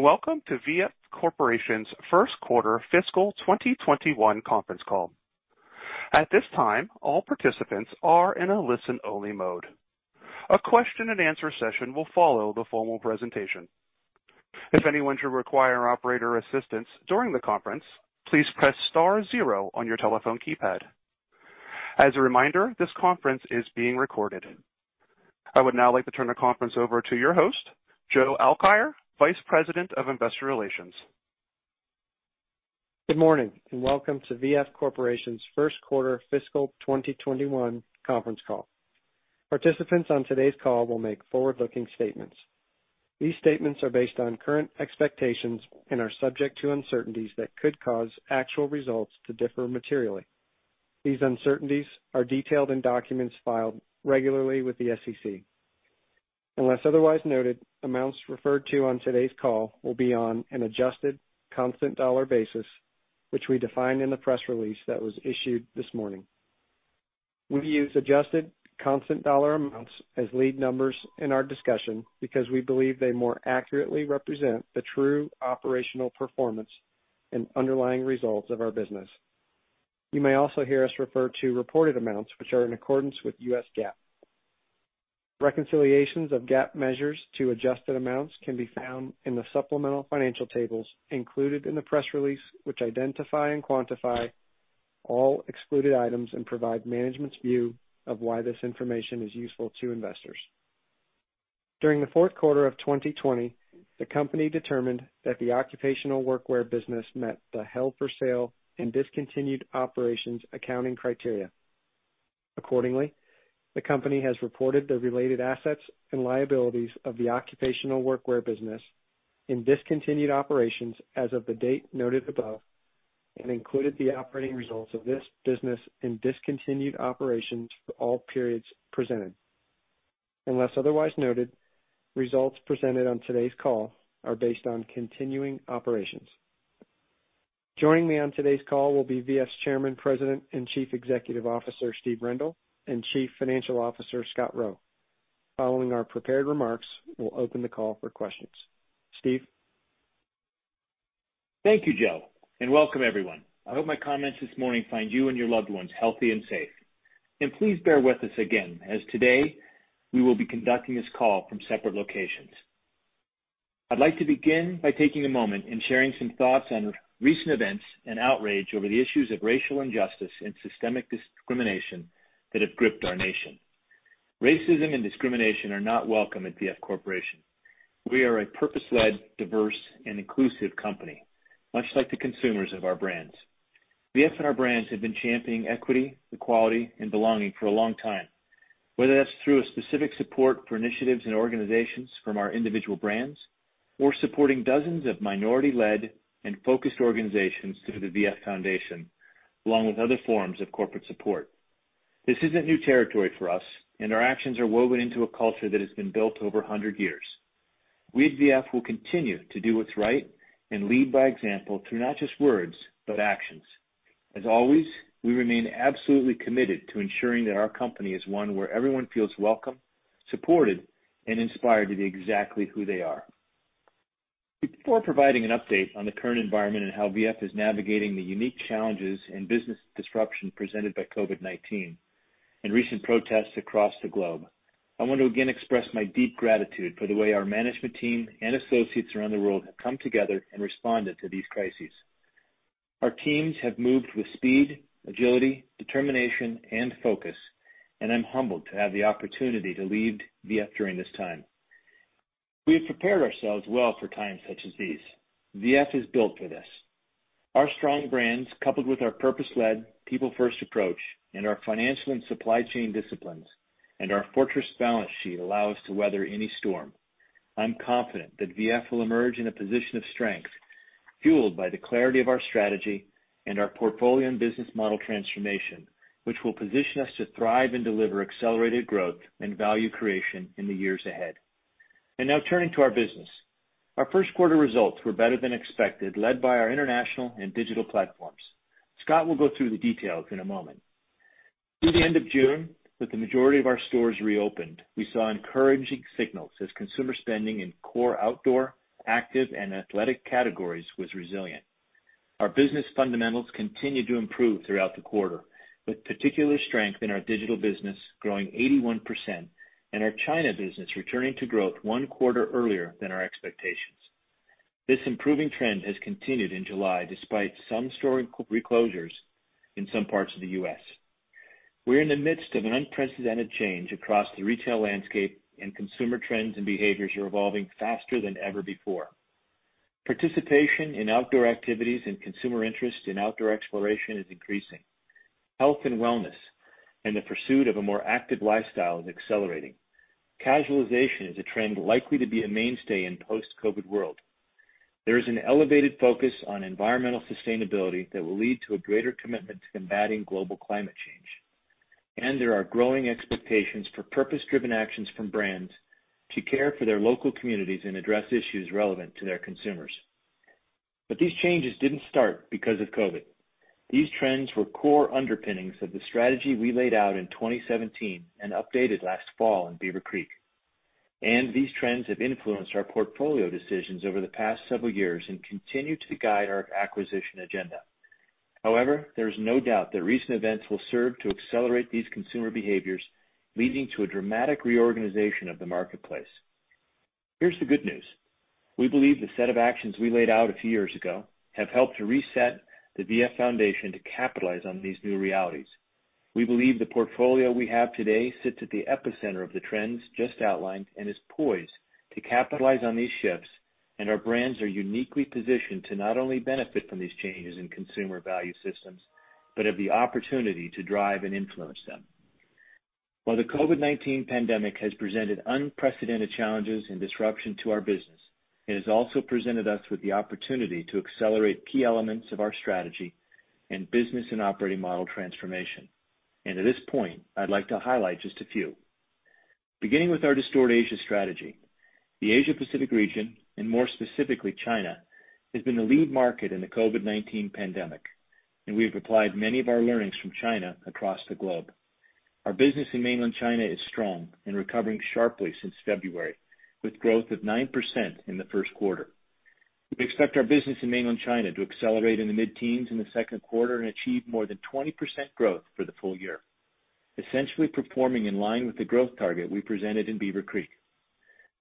Welcome to VF Corporation's first quarter fiscal 2021 conference call. At this time, all participants are in a listen-only mode. A question and answer session will follow the formal presentation. If anyone should require operator assistance during the conference, please press star zero on your telephone keypad. As a reminder, this conference is being recorded. I would now like to turn the conference over to your host, Joe Alkire, Vice President of Investor Relations. Good morning. Welcome to V.F. Corporation's first quarter fiscal 2021 conference call. Participants on today's call will make forward-looking statements. These statements are based on current expectations and are subject to uncertainties that could cause actual results to differ materially. These uncertainties are detailed in documents filed regularly with the SEC. Unless otherwise noted, amounts referred to on today's call will be on an adjusted constant dollar basis, which we define in the press release that was issued this morning. We've used adjusted constant dollar amounts as lead numbers in our discussion because we believe they more accurately represent the true operational performance and underlying results of our business. You may also hear us refer to reported amounts, which are in accordance with U.S. GAAP. Reconciliations of GAAP measures to adjusted amounts can be found in the supplemental financial tables included in the press release, which identify and quantify all excluded items and provide management's view of why this information is useful to investors. During the fourth quarter of 2020, the company determined that the occupational workwear business met the held for sale and discontinued operations accounting criteria. Accordingly, the company has reported the related assets and liabilities of the occupational workwear business in discontinued operations as of the date noted above and included the operating results of this business in discontinued operations for all periods presented. Unless otherwise noted, results presented on today's call are based on continuing operations. Joining me on today's call will be VF's Chairman, President, and Chief Executive Officer, Steve Rendle, and Chief Financial Officer, Scott Roe. Following our prepared remarks, we'll open the call for questions. Steve? Thank you, Joe, and welcome everyone. I hope my comments this morning find you and your loved ones healthy and safe. Please bear with us again, as today we will be conducting this call from separate locations. I'd like to begin by taking a moment and sharing some thoughts on recent events and outrage over the issues of racial injustice and systemic discrimination that have gripped our nation. Racism and discrimination are not welcome at VF Corporation. We are a purpose-led, diverse, and inclusive company, much like the consumers of our brands. VF and our brands have been championing equity, equality, and belonging for a long time, whether that's through a specific support for initiatives and organizations from our individual brands or supporting dozens of minority-led and focused organizations through The VF Foundation, along with other forms of corporate support. This isn't new territory for us, and our actions are woven into a culture that has been built over 100 years. We at V.F. will continue to do what's right and lead by example through not just words, but actions. As always, we remain absolutely committed to ensuring that our company is one where everyone feels welcome, supported, and inspired to be exactly who they are. Before providing an update on the current environment and how V.F. is navigating the unique challenges and business disruption presented by COVID-19 and recent protests across the globe, I want to again express my deep gratitude for the way our management team and associates around the world have come together and responded to these crises. Our teams have moved with speed, agility, determination, and focus, and I'm humbled to have the opportunity to lead V.F. during this time. We have prepared ourselves well for times such as these. VF is built for this. Our strong brands, coupled with our purpose-led people-first approach and our financial and supply chain disciplines and our fortress balance sheet allow us to weather any storm. I'm confident that VF will emerge in a position of strength fueled by the clarity of our strategy and our portfolio and business model transformation, which will position us to thrive and deliver accelerated growth and value creation in the years ahead. Now turning to our business. Our first quarter results were better than expected, led by our international and digital platforms. Scott will go through the details in a moment. Through the end of June, with the majority of our stores reopened, we saw encouraging signals as consumer spending in core outdoor, active, and athletic categories was resilient. Our business fundamentals continued to improve throughout the quarter, with particular strength in our digital business growing 81% and our China business returning to growth one quarter earlier than our expectations. This improving trend has continued in July, despite some store reclosures in some parts of the U.S. We are in the midst of an unprecedented change across the retail landscape and consumer trends and behaviors are evolving faster than ever before. Participation in outdoor activities and consumer interest in outdoor exploration is increasing. Health and wellness and the pursuit of a more active lifestyle is accelerating. Casualization is a trend likely to be a mainstay in a post-COVID-19 world. There is an elevated focus on environmental sustainability that will lead to a greater commitment to combating global climate change. There are growing expectations for purpose-driven actions from brands to care for their local communities and address issues relevant to their consumers. These changes didn't start because of COVID-19. These trends were core underpinnings of the strategy we laid out in 2017 and updated last fall in Beaver Creek. These trends have influenced our portfolio decisions over the past several years and continue to guide our acquisition agenda. However, there is no doubt that recent events will serve to accelerate these consumer behaviors, leading to a dramatic reorganization of the marketplace. Here's the good news. We believe the set of actions we laid out a few years ago have helped to reset The VF Foundation to capitalize on these new realities. We believe the portfolio we have today sits at the epicenter of the trends just outlined and is poised to capitalize on these shifts, and our brands are uniquely positioned to not only benefit from these changes in consumer value systems, but have the opportunity to drive and influence them. While the COVID-19 pandemic has presented unprecedented challenges and disruption to our business, it has also presented us with the opportunity to accelerate key elements of our strategy and business and operating model transformation. At this point, I'd like to highlight just a few. Beginning with our Distort Asia Strategy. The Asia Pacific region, and more specifically China, has been the lead market in the COVID-19 pandemic, and we have applied many of our learnings from China across the globe. Our business in mainland China is strong and recovering sharply since February, with growth of 9% in the first quarter. We expect our business in mainland China to accelerate in the mid-teens in the second quarter and achieve more than 20% growth for the full year, essentially performing in line with the growth target we presented in Beaver Creek.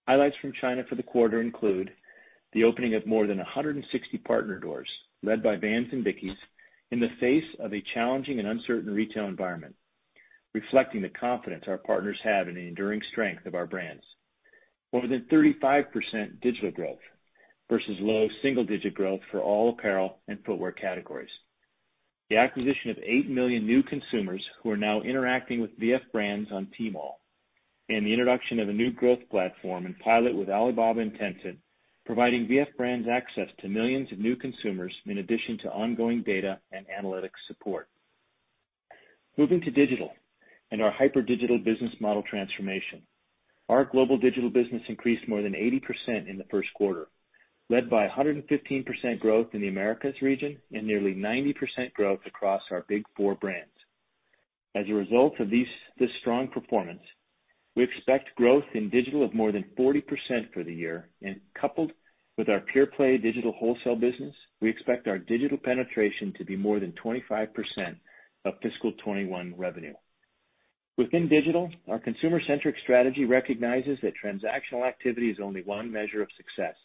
Highlights from China for the quarter include the opening of more than 160 partner doors led by Vans and Dickies in the face of a challenging and uncertain retail environment, reflecting the confidence our partners have in the enduring strength of our brands. More than 35% digital growth versus low single-digit growth for all apparel and footwear categories. The acquisition of 8 million new consumers who are now interacting with VF brands on Tmall, and the introduction of a new growth platform and pilot with Alibaba and Tencent, providing VF brands access to millions of new consumers in addition to ongoing data and analytics support. Moving to digital and our hyper digital business model transformation. Our global digital business increased more than 80% in the first quarter, led by 115% growth in the Americas region and nearly 90% growth across our big four brands. As a result of this strong performance, we expect growth in digital of more than 40% for the year and coupled with our pure play digital wholesale business, we expect our digital penetration to be more than 25% of fiscal 2021 revenue. Within digital, our consumer-centric strategy recognizes that transactional activity is only one measure of success.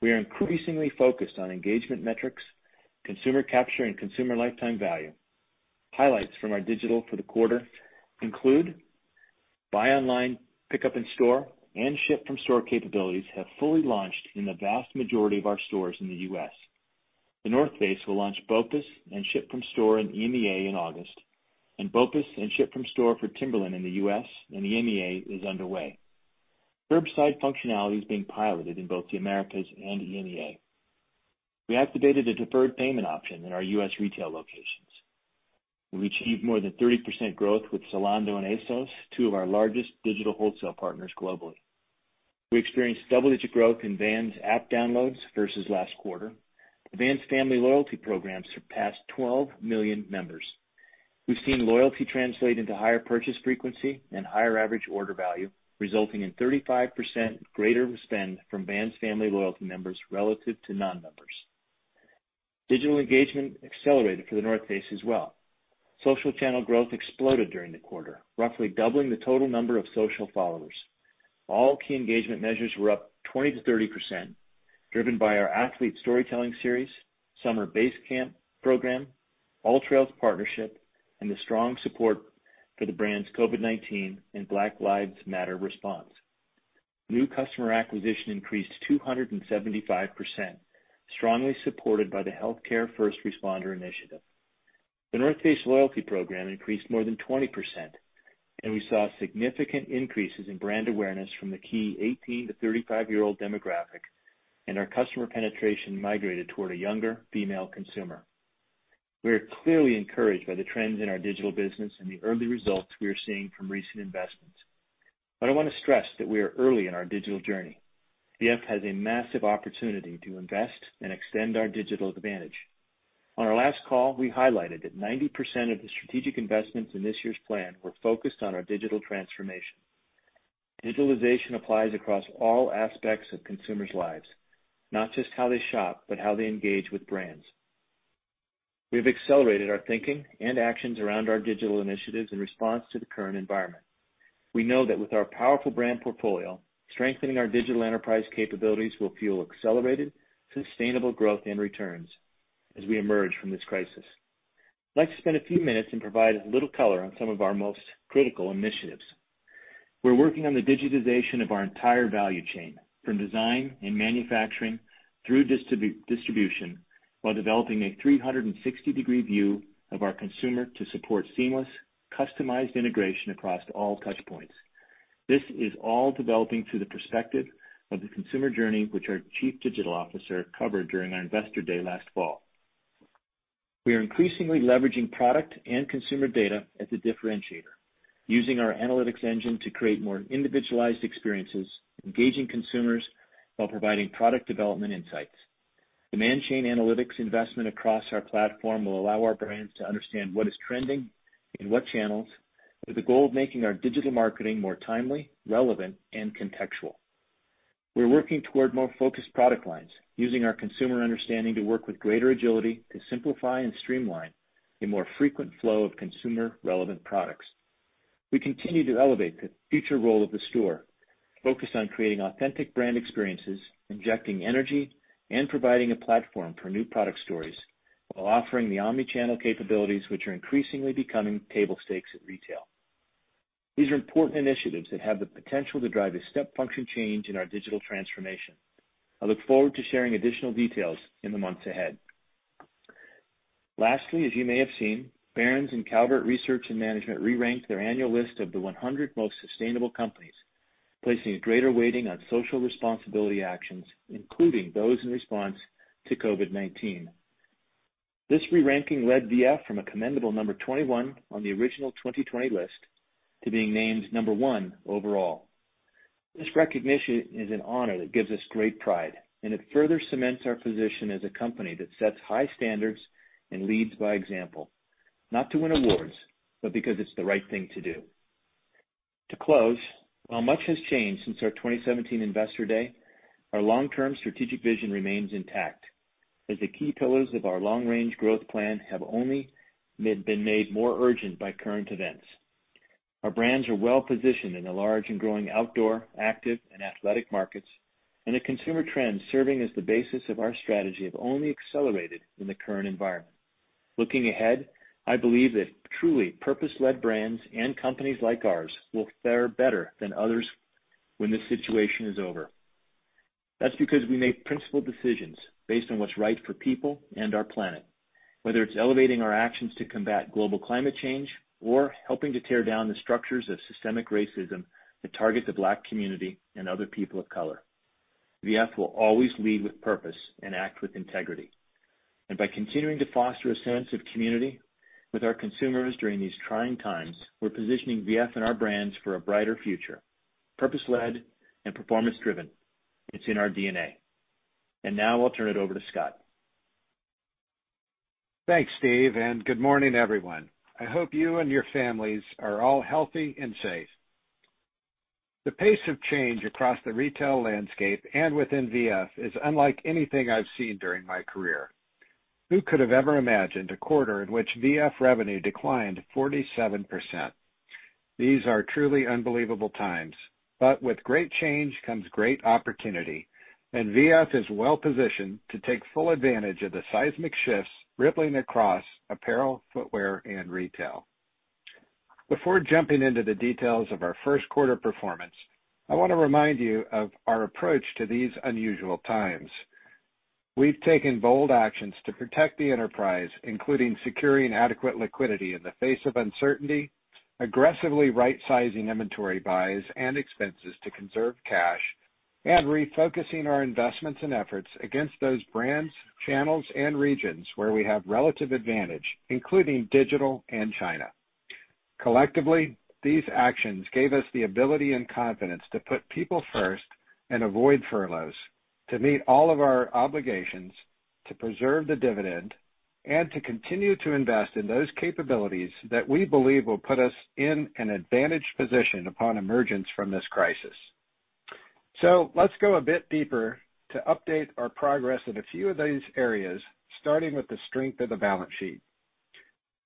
We are increasingly focused on engagement metrics, consumer capture, and Customer Lifetime Value. Highlights from our digital for the quarter include buy online, pickup in-store, and ship from-store capabilities have fully launched in the vast majority of our stores in the U.S. The North Face will launch BOPUS and ship from store in EMEA in August, and BOPUS and ship from store for Timberland in the U.S. and EMEA is underway. Curbside functionality is being piloted in both the Americas and EMEA. We activated a deferred payment option in our U.S. retail locations. We achieved more than 30% growth with Zalando and ASOS, two of our largest digital wholesale partners globally. We experienced double-digit growth in Vans app downloads versus last quarter. The Vans Family Loyalty programs surpassed 12 million members. We've seen loyalty translate into higher purchase frequency and higher average order value, resulting in 35% greater spend from Vans Family Loyalty members relative to non-members. Digital engagement accelerated for The North Face as well. Social channel growth exploded during the quarter, roughly doubling the total number of social followers. All key engagement measures were up 20%-30%, driven by our athlete storytelling series, Summer Base Camp program, AllTrails partnership, and the strong support for the brand's COVID-19 and Black Lives Matter response. New customer acquisition increased 275%, strongly supported by the Healthcare First Responder initiative. The North Face loyalty program increased more than 20%, and we saw significant increases in brand awareness from the key 18 to 35-year-old demographic, and our customer penetration migrated toward a younger female consumer. We are clearly encouraged by the trends in our digital business and the early results we are seeing from recent investments. I want to stress that we are early in our digital journey. V.F. has a massive opportunity to invest and extend our digital advantage. On our last call, we highlighted that 90% of the strategic investments in this year's plan were focused on our digital transformation. Digitalization applies across all aspects of consumers' lives, not just how they shop, but how they engage with brands. We have accelerated our thinking and actions around our digital initiatives in response to the current environment. We know that with our powerful brand portfolio, strengthening our digital enterprise capabilities will fuel accelerated, sustainable growth and returns as we emerge from this crisis. I'd like to spend a few minutes and provide a little color on some of our most critical initiatives. We're working on the digitization of our entire value chain, from design and manufacturing through distribution, while developing a 360-degree view of our consumer to support seamless, customized integration across all touch points. This is all developing through the perspective of the consumer journey, which our Chief Digital Officer covered during our investor day last fall. We are increasingly leveraging product and consumer data as a differentiator, using our analytics engine to create more individualized experiences, engaging consumers while providing product development insights. Demand chain analytics investment across our platform will allow our brands to understand what is trending in what channels, with a goal of making our digital marketing more timely, relevant, and contextual. We are working toward more focused product lines, using our consumer understanding to work with greater agility to simplify and streamline a more frequent flow of consumer-relevant products. We continue to elevate the future role of the store, focused on creating authentic brand experiences, injecting energy, and providing a platform for new product stories while offering the omni-channel capabilities which are increasingly becoming table stakes at retail. These are important initiatives that have the potential to drive a step function change in our digital transformation. I look forward to sharing additional details in the months ahead. Lastly, as you may have seen, Barron's and Calvert Research and Management re-ranked their annual list of the 100 most sustainable companies, placing a greater weighting on social responsibility actions, including those in response to COVID-19. This re-ranking led VF from a commendable number 21 on the original 2020 list to being named number one overall. This recognition is an honor that gives us great pride, and it further cements our position as a company that sets high standards and leads by example, not to win awards, but because it's the right thing to do. To close, while much has changed since our 2017 investor day, our long-term strategic vision remains intact, as the key pillars of our long-range growth plan have only been made more urgent by current events. Our brands are well positioned in the large and growing outdoor, active, and athletic markets, and the consumer trends serving as the basis of our strategy have only accelerated in the current environment. Looking ahead, I believe that truly purpose-led brands and companies like ours will fare better than others when this situation is over. That's because we make principled decisions based on what's right for people and our planet. Whether it's elevating our actions to combat global climate change or helping to tear down the structures of systemic racism that target the Black community and other people of color. VF will always lead with purpose and act with integrity. By continuing to foster a sense of community with our consumers during these trying times, we're positioning VF and our brands for a brighter future. Purpose-led and performance-driven. It's in our DNA. Now I'll turn it over to Scott. Thanks, Steve, and good morning, everyone. I hope you and your families are all healthy and safe. The pace of change across the retail landscape and within VF is unlike anything I've seen during my career. Who could have ever imagined a quarter in which VF revenue declined 47%? These are truly unbelievable times. With great change comes great opportunity, and VF is well positioned to take full advantage of the seismic shifts rippling across apparel, footwear, and retail. Before jumping into the details of our first quarter performance, I want to remind you of our approach to these unusual times. We've taken bold actions to protect the enterprise, including securing adequate liquidity in the face of uncertainty, aggressively right-sizing inventory buys and expenses to conserve cash, and refocusing our investments and efforts against those brands, channels, and regions where we have relative advantage, including digital and China. Collectively, these actions gave us the ability and confidence to put people first and avoid furloughs, to meet all of our obligations, to preserve the dividend, and to continue to invest in those capabilities that we believe will put us in an advantaged position upon emergence from this crisis. Let's go a bit deeper to update our progress in a few of these areas, starting with the strength of the balance sheet.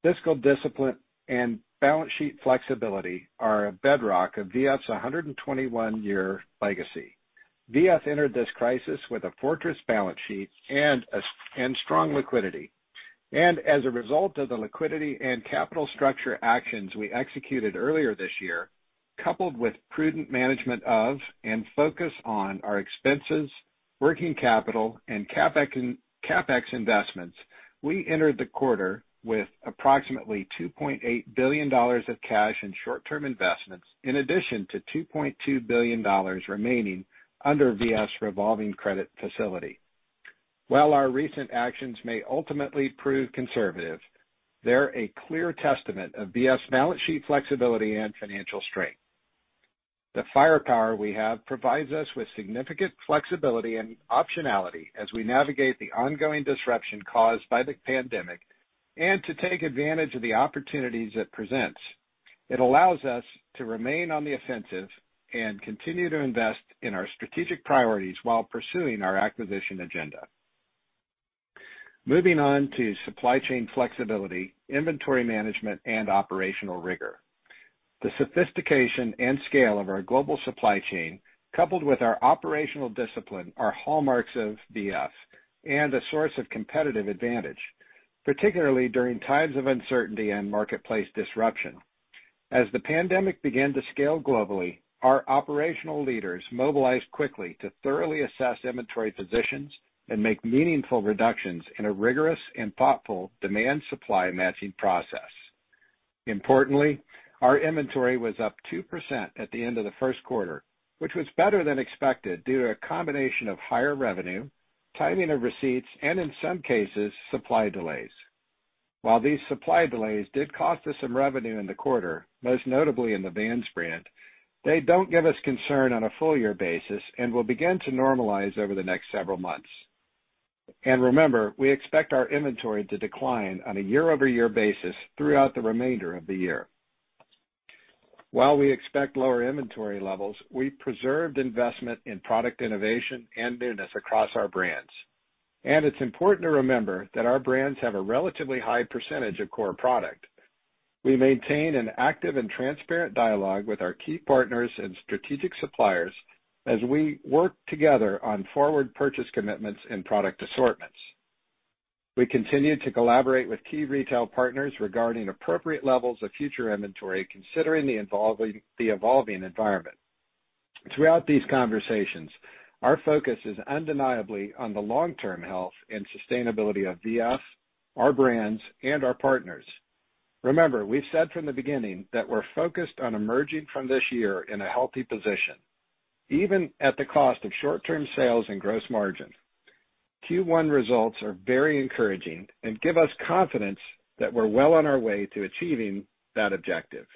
Fiscal discipline and balance sheet flexibility are a bedrock of VF's 121-year legacy. VF entered this crisis with a fortress balance sheet and strong liquidity. As a result of the liquidity and capital structure actions we executed earlier this year, coupled with prudent management of and focus on our expenses, working capital, and CapEx investments, we entered the quarter with approximately $2.8 billion of cash and short-term investments, in addition to $2.2 billion remaining under VF's revolving credit facility. While our recent actions may ultimately prove conservative, they are a clear testament of VF's balance sheet flexibility and financial strength. The firepower we have provides us with significant flexibility and optionality as we navigate the ongoing disruption caused by the pandemic and to take advantage of the opportunities it presents. It allows us to remain on the offensive and continue to invest in our strategic priorities while pursuing our acquisition agenda. Moving on to supply chain flexibility, inventory management, and operational rigor. The sophistication and scale of our global supply chain, coupled with our operational discipline, are hallmarks of VF and a source of competitive advantage, particularly during times of uncertainty and marketplace disruption. As the pandemic began to scale globally, our operational leaders mobilized quickly to thoroughly assess inventory positions and make meaningful reductions in a rigorous and thoughtful demand-supply matching process. Importantly, our inventory was up 2% at the end of the first quarter, which was better than expected due to a combination of higher revenue, timing of receipts, and in some cases, supply delays. While these supply delays did cost us some revenue in the quarter, most notably in the Vans brand, they don't give us concern on a full year basis and will begin to normalize over the next several months. Remember, we expect our inventory to decline on a year-over-year basis throughout the remainder of the year. While we expect lower inventory levels, we preserved investment in product innovation and newness across our brands. It's important to remember that our brands have a relatively high percentage of core product. We maintain an active and transparent dialogue with our key partners and strategic suppliers as we work together on forward purchase commitments and product assortments. We continue to collaborate with key retail partners regarding appropriate levels of future inventory, considering the evolving environment. Throughout these conversations, our focus is undeniably on the long-term health and sustainability of VF, our brands, and our partners. Remember, we've said from the beginning that we're focused on emerging from this year in a healthy position, even at the cost of short-term sales and gross margin. Q1 results are very encouraging and give us confidence that we're well on our way to achieving that objective.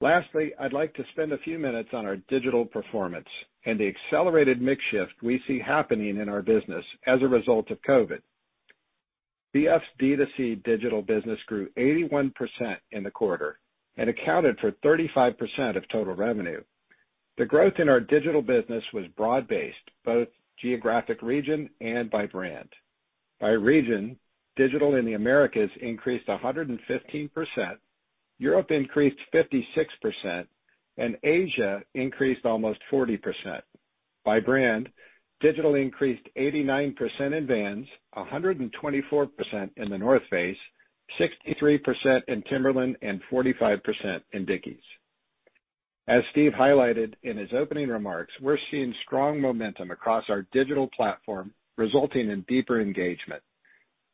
Lastly, I'd like to spend a few minutes on our digital performance and the accelerated mix shift we see happening in our business as a result of COVID. VF's D2C digital business grew 81% in the quarter and accounted for 35% of total revenue. The growth in our digital business was broad-based, both geographic region and by brand. By region, digital in the Americas increased 115%, Europe increased 56%, and Asia increased almost 40%. By brand, digital increased 89% in Vans, 124% in The North Face, 63% in Timberland, and 45% in Dickies. As Steve highlighted in his opening remarks, we're seeing strong momentum across our digital platform, resulting in deeper engagement.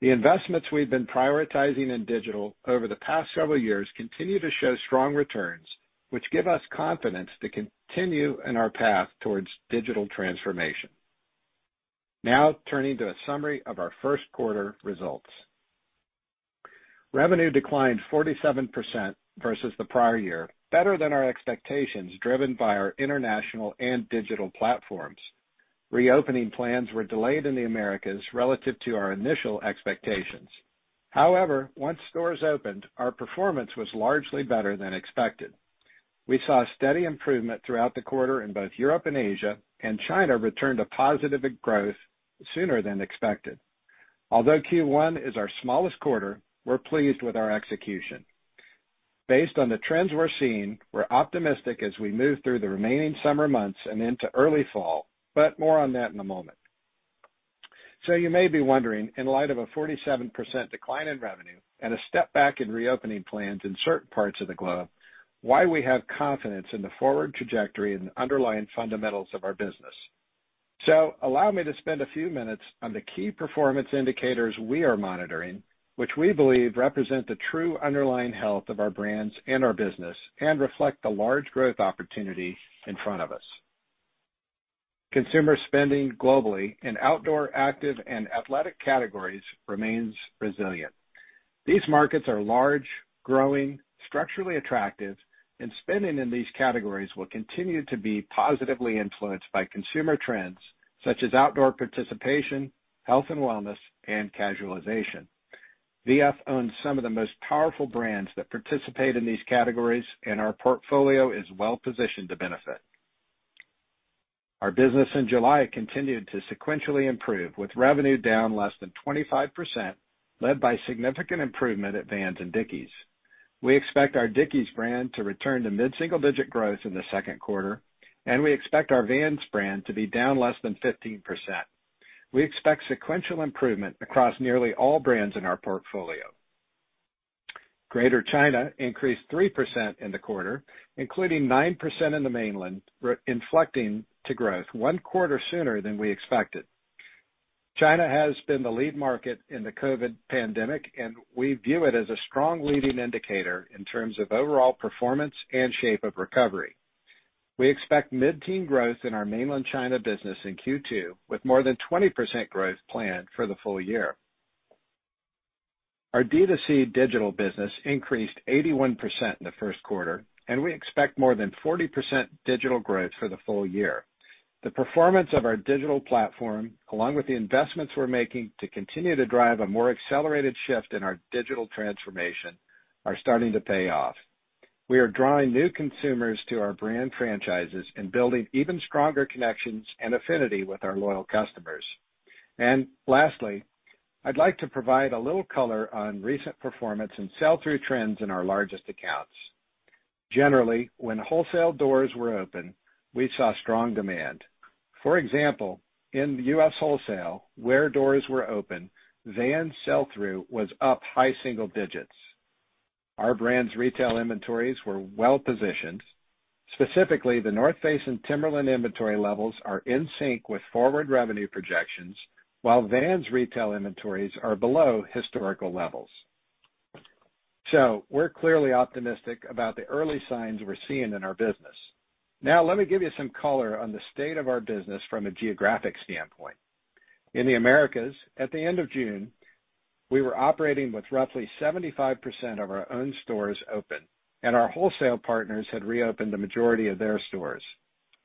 The investments we've been prioritizing in digital over the past several years continue to show strong returns, which give us confidence to continue in our path towards digital transformation. Now turning to a summary of our first quarter results. Revenue declined 47% versus the prior year, better than our expectations, driven by our international and digital platforms. Reopening plans were delayed in the Americas relative to our initial expectations. However, once stores opened, our performance was largely better than expected. We saw a steady improvement throughout the quarter in both Europe and Asia, and China returned to positive growth sooner than expected. Although Q1 is our smallest quarter, we're pleased with our execution. Based on the trends we're seeing, we're optimistic as we move through the remaining summer months and into early fall, but more on that in a moment. You may be wondering, in light of a 47% decline in revenue and a step back in reopening plans in certain parts of the globe, why we have confidence in the forward trajectory and underlying fundamentals of our business. Allow me to spend a few minutes on the key performance indicators we are monitoring, which we believe represent the true underlying health of our brands and our business and reflect the large growth opportunity in front of us. Consumer spending globally in outdoor, active, and athletic categories remains resilient. These markets are large, growing, structurally attractive, and spending in these categories will continue to be positively influenced by consumer trends such as outdoor participation, health and wellness, and casualization. VF owns some of the most powerful brands that participate in these categories, and our portfolio is well-positioned to benefit. Our business in July continued to sequentially improve, with revenue down less than 25%, led by significant improvement at Vans and Dickies. We expect our Dickies brand to return to mid-single-digit growth in the second quarter, and we expect our Vans brand to be down less than 15%. We expect sequential improvement across nearly all brands in our portfolio. Greater China increased 3% in the quarter, including 9% in the mainland, inflecting to growth one quarter sooner than we expected. China has been the lead market in the COVID pandemic, and we view it as a strong leading indicator in terms of overall performance and shape of recovery. We expect mid-teen growth in our mainland China business in Q2, with more than 20% growth planned for the full year. Our D2C digital business increased 81% in the first quarter, and we expect more than 40% digital growth for the full year. The performance of our digital platform, along with the investments we're making to continue to drive a more accelerated shift in our digital transformation, are starting to pay off. We are drawing new consumers to our brand franchises and building even stronger connections and affinity with our loyal customers. Lastly, I'd like to provide a little color on recent performance and sell-through trends in our largest accounts. Generally, when wholesale doors were open, we saw strong demand. For example, in U.S. wholesale, where doors were open, Vans sell-through was up high single digits. Our brands retail inventories were well-positioned. Specifically, The North Face and Timberland inventory levels are in sync with forward revenue projections, while Vans retail inventories are below historical levels. We're clearly optimistic about the early signs we're seeing in our business. Let me give you some color on the state of our business from a geographic standpoint. In the Americas, at the end of June, we were operating with roughly 75% of our own stores open, and our wholesale partners had reopened the majority of their stores.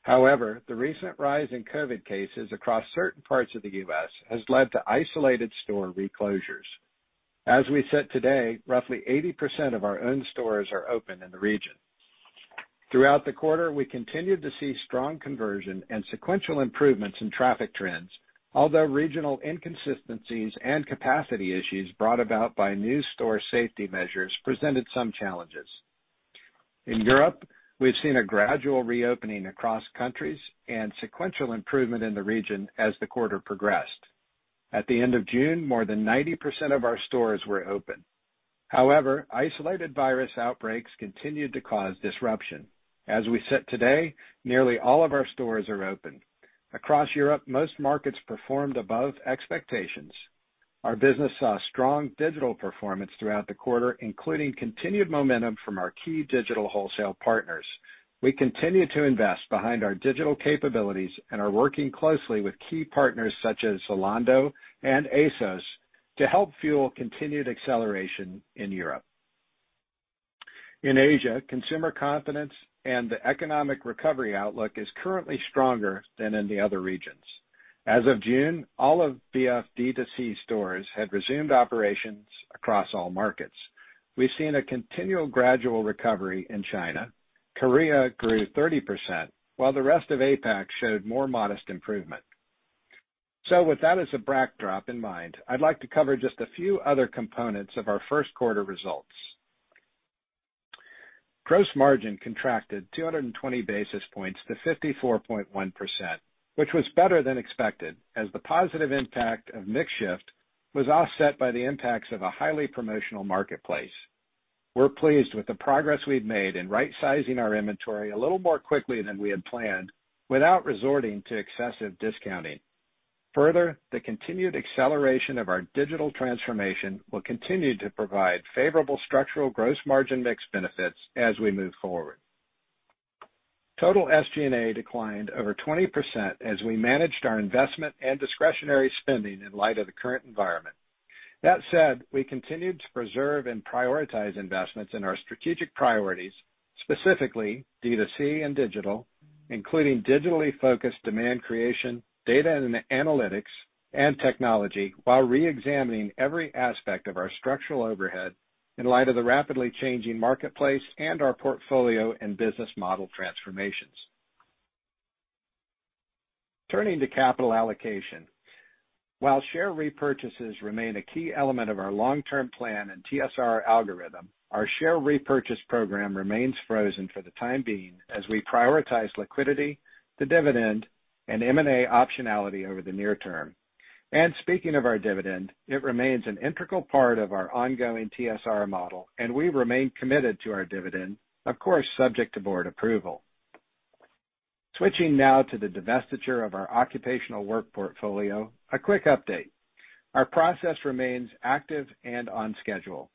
However, the recent rise in COVID cases across certain parts of the U.S. has led to isolated store reclosures. As we sit today, roughly 80% of our own stores are open in the region. Throughout the quarter, we continued to see strong conversion and sequential improvements in traffic trends, although regional inconsistencies and capacity issues brought about by new store safety measures presented some challenges. In Europe, we've seen a gradual reopening across countries and sequential improvement in the region as the quarter progressed. At the end of June, more than 90% of our stores were open. However, isolated virus outbreaks continued to cause disruption. As we sit today, nearly all of our stores are open. Across Europe, most markets performed above expectations. Our business saw strong digital performance throughout the quarter, including continued momentum from our key digital wholesale partners. We continue to invest behind our digital capabilities and are working closely with key partners such as Zalando and ASOS to help fuel continued acceleration in Europe. In Asia, consumer confidence and the economic recovery outlook is currently stronger than in the other regions. As of June, all of V.F.'s D2C stores had resumed operations across all markets. We've seen a continual gradual recovery in China. Korea grew 30%, while the rest of APAC showed more modest improvement. With that as a backdrop in mind, I'd like to cover just a few other components of our first quarter results. Gross margin contracted 220 basis points to 54.1%, which was better than expected as the positive impact of mix shift was offset by the impacts of a highly promotional marketplace. We're pleased with the progress we've made in right-sizing our inventory a little more quickly than we had planned without resorting to excessive discounting. Further, the continued acceleration of our digital transformation will continue to provide favorable structural gross margin mix benefits as we move forward. Total SG&A declined over 20% as we managed our investment and discretionary spending in light of the current environment. That said, we continued to preserve and prioritize investments in our strategic priorities, specifically D2C and digital, including digitally focused demand creation, data and analytics, and technology, while reexamining every aspect of our structural overhead in light of the rapidly changing marketplace and our portfolio and business model transformations. Turning to capital allocation. While share repurchases remain a key element of our long-term plan and TSR algorithm, our share repurchase program remains frozen for the time being as we prioritize liquidity, the dividend, and M&A optionality over the near term. Speaking of our dividend, it remains an integral part of our ongoing TSR model, and we remain committed to our dividend, of course, subject to board approval. Switching now to the divestiture of our occupational work portfolio, a quick update. Our process remains active and on schedule.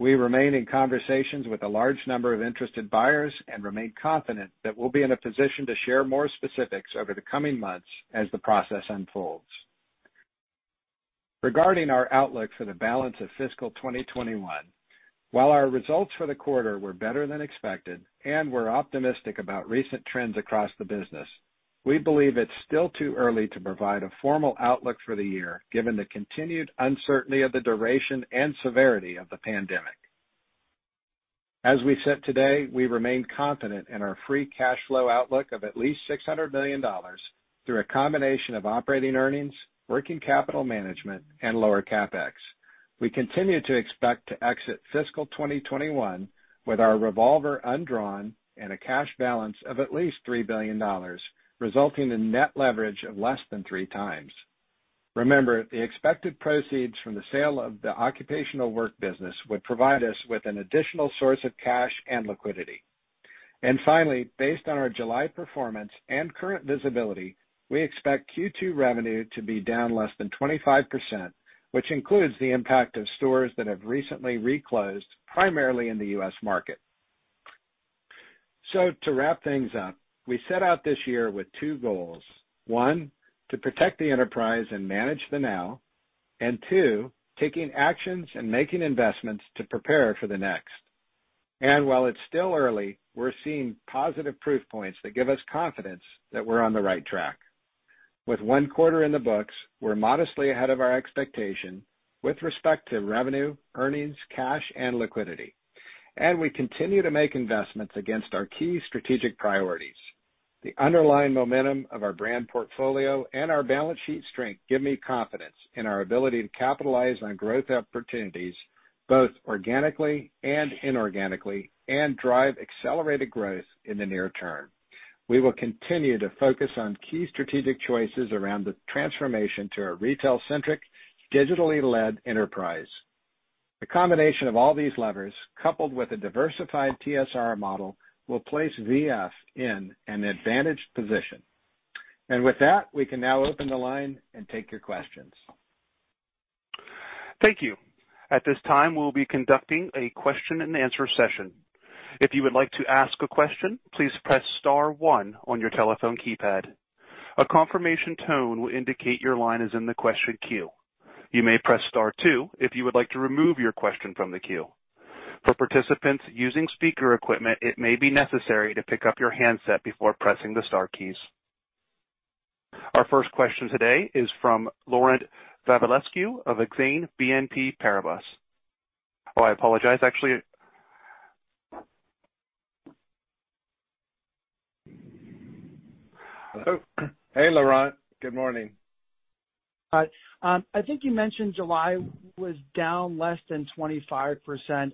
We remain in conversations with a large number of interested buyers and remain confident that we'll be in a position to share more specifics over the coming months as the process unfolds. Regarding our outlook for the balance of fiscal 2021, while our results for the quarter were better than expected and we're optimistic about recent trends across the business, we believe it's still too early to provide a formal outlook for the year given the continued uncertainty of the duration and severity of the pandemic. As we sit today, we remain confident in our free cash flow outlook of at least $600 million through a combination of operating earnings, working capital management, and lower CapEx. We continue to expect to exit fiscal 2021 with our revolver undrawn and a cash balance of at least $3 billion, resulting in net leverage of less than three times. Remember, the expected proceeds from the sale of the occupational work business would provide us with an additional source of cash and liquidity. Finally, based on our July performance and current visibility, we expect Q2 revenue to be down less than 25%, which includes the impact of stores that have recently reclosed, primarily in the U.S. market. To wrap things up, we set out this year with two goals. One, to protect the enterprise and manage the now, and two, taking actions and making investments to prepare for the next. While it's still early, we're seeing positive proof points that give us confidence that we're on the right track. With one quarter in the books, we're modestly ahead of our expectation with respect to revenue, earnings, cash, and liquidity, and we continue to make investments against our key strategic priorities. The underlying momentum of our brand portfolio and our balance sheet strength give me confidence in our ability to capitalize on growth opportunities both organically and inorganically and drive accelerated growth in the near term. We will continue to focus on key strategic choices around the transformation to a retail-centric, digitally led enterprise. The combination of all these levers, coupled with a diversified TSR model, will place VF in an advantaged position. With that, we can now open the line and take your questions. Thank you. At this time, we'll be conducting a question and answer session. If you would like to ask a question, please press star one on your telephone keypad. A confirmation tone will indicate your line is in the question queue. You may press star two if you would like to remove your question from the queue. For participants using speaker equipment, it may be necessary to pick up your handset before pressing the star keys. Our first question today is from Laurent Vasilescu of Exane BNP Paribas. Oh, I apologize, actually. Hello. Hey, Laurent. Good morning. Hi. I think you mentioned July was down less than 25%,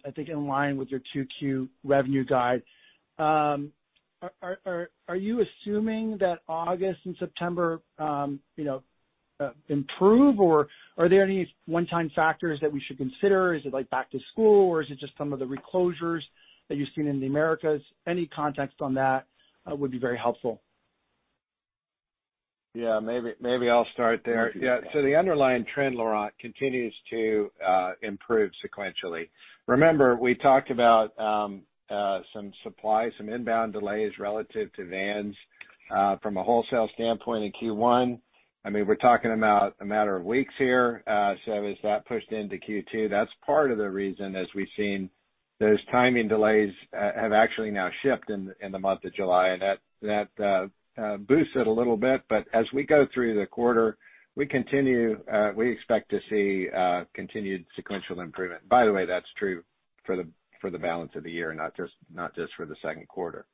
I think in line with your 2Q revenue guide. Are you assuming that August and September improve, or are there any one-time factors that we should consider? Is it like back to school, or is it just some of the reclosures that you've seen in the Americas? Any context on that would be very helpful. Yeah, maybe I'll start there. Thank you. The underlying trend, Laurent, continues to improve sequentially. Remember, we talked about some supply, some inbound delays relative to Vans from a wholesale standpoint in Q1. We're talking about a matter of weeks here. As that pushed into Q2, that's part of the reason as we've seen those timing delays have actually now shipped in the month of July, and that boosts it a little bit. As we go through the quarter, we expect to see continued sequential improvement. By the way, that's true for the balance of the year, not just for the second quarter.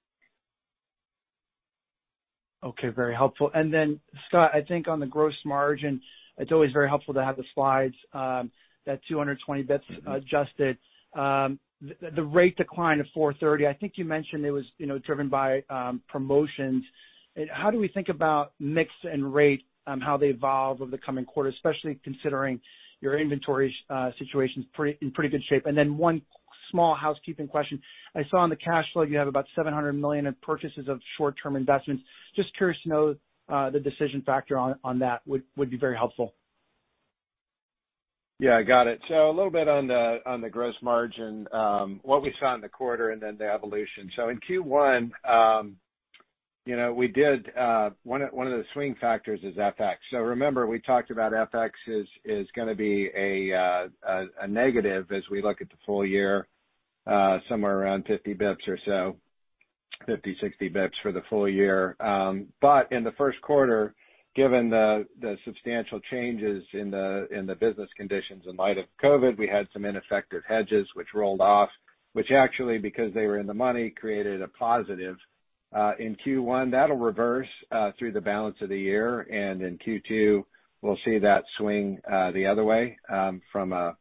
Okay. Very helpful. Scott, I think on the gross margin, it's always very helpful to have the slides, that 220 basis points adjusted. The rate decline of 430, I think you mentioned it was driven by promotions. How do we think about mix and rate, how they evolve over the coming quarter, especially considering your inventory situation's in pretty good shape? One small housekeeping question. I saw in the cash flow you have about $700 million in purchases of short-term investments. Just curious to know the decision factor on that would be very helpful. Yeah, got it. A little bit on the gross margin. What we saw in the quarter and then the evolution. In Q1, one of the swing factors is FX. Remember, we talked about FX is going to be a negative as we look at the full year, somewhere around 50, 60 basis points for the full year. In the first quarter, given the substantial changes in the business conditions in light of COVID, we had some ineffective hedges which rolled off, which actually, because they were in the money, created a positive in Q1. That'll reverse through the balance of the year, and in Q2, we'll see that swing the other way from a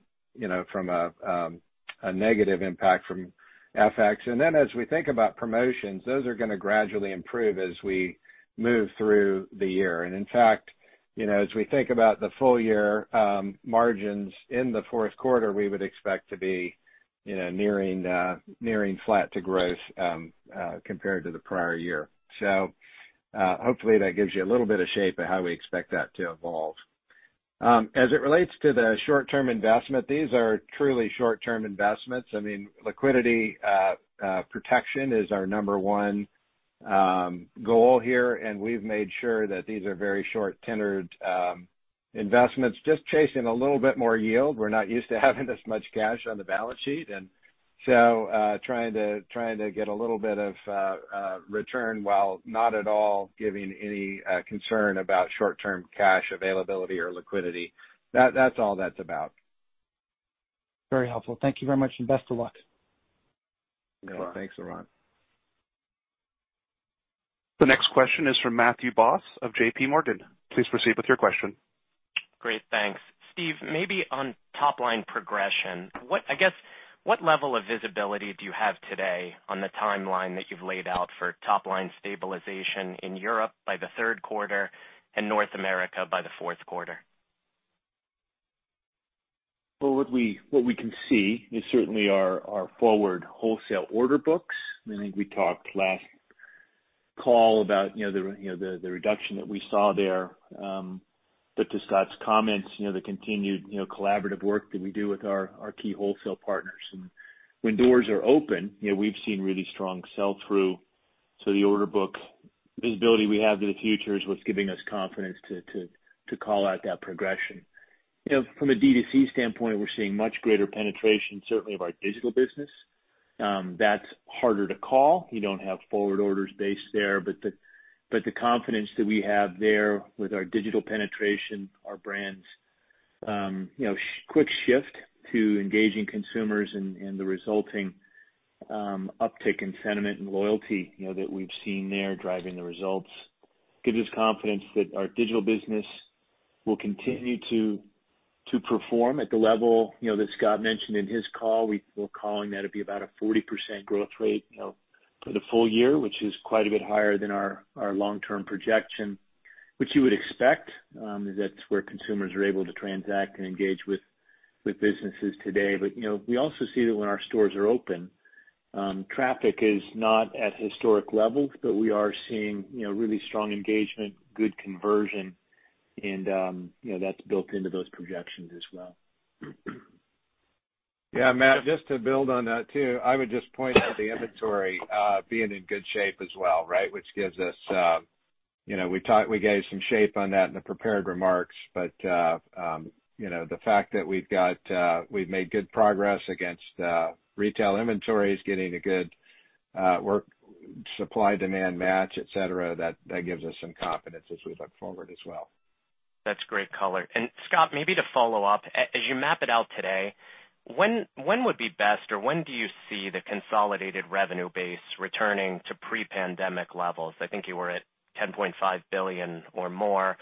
negative impact from FX. As we think about promotions, those are going to gradually improve as we move through the year. In fact, as we think about the full year margins in the fourth quarter, we would expect to be nearing flat to growth compared to the prior year. Hopefully that gives you a little bit of shape of how we expect that to evolve. As it relates to the short-term investment, these are truly short-term investments. Liquidity protection is our number one goal here, and we've made sure that these are very short-tendered investments, just chasing a little bit more yield. We're not used to having this much cash on the balance sheet. Trying to get a little bit of return while not at all giving any concern about short-term cash availability or liquidity. That's all that's about. Very helpful. Thank you very much, and best of luck. Thanks, Laurent. The next question is from Matthew Boss of JPMorgan. Please proceed with your question. Great, thanks. Steve, maybe on top-line progression, I guess, what level of visibility do you have today on the timeline that you've laid out for top-line stabilization in Europe by the third quarter and North America by the fourth quarter? What we can see is certainly our forward wholesale order books. I think we talked last call about the reduction that we saw there. To Scott's comments, the continued collaborative work that we do with our key wholesale partners. When doors are open, we've seen really strong sell-through. The order book visibility we have to the future is what's giving us confidence to call out that progression. From a D2C standpoint, we're seeing much greater penetration, certainly of our digital business. That's harder to call. You don't have forward orders based there, but the confidence that we have there with our digital penetration, our brands' quick shift to engaging consumers and the resulting uptick in sentiment and loyalty that we've seen there driving the results, gives us confidence that our digital business will continue to perform at the level that Scott mentioned in his call. We're calling that it'd be about a 40% growth rate for the full year, which is quite a bit higher than our long-term projection. Which you would expect. That's where consumers are able to transact and engage with businesses today. We also see that when our stores are open, traffic is not at historic levels, but we are seeing really strong engagement, good conversion, and that's built into those projections as well. Yeah, Matt, just to build on that too, I would just point out the inventory being in good shape as well. We gave some shape on that in the prepared remarks. The fact that we've made good progress against retail inventories, getting a good work supply, demand match, et cetera, that gives us some confidence as we look forward as well. That's great color. Scott, maybe to follow up, as you map it out today, when would be best or when do you see the consolidated revenue base returning to pre-pandemic levels? I think you were at $10.5 billion or more.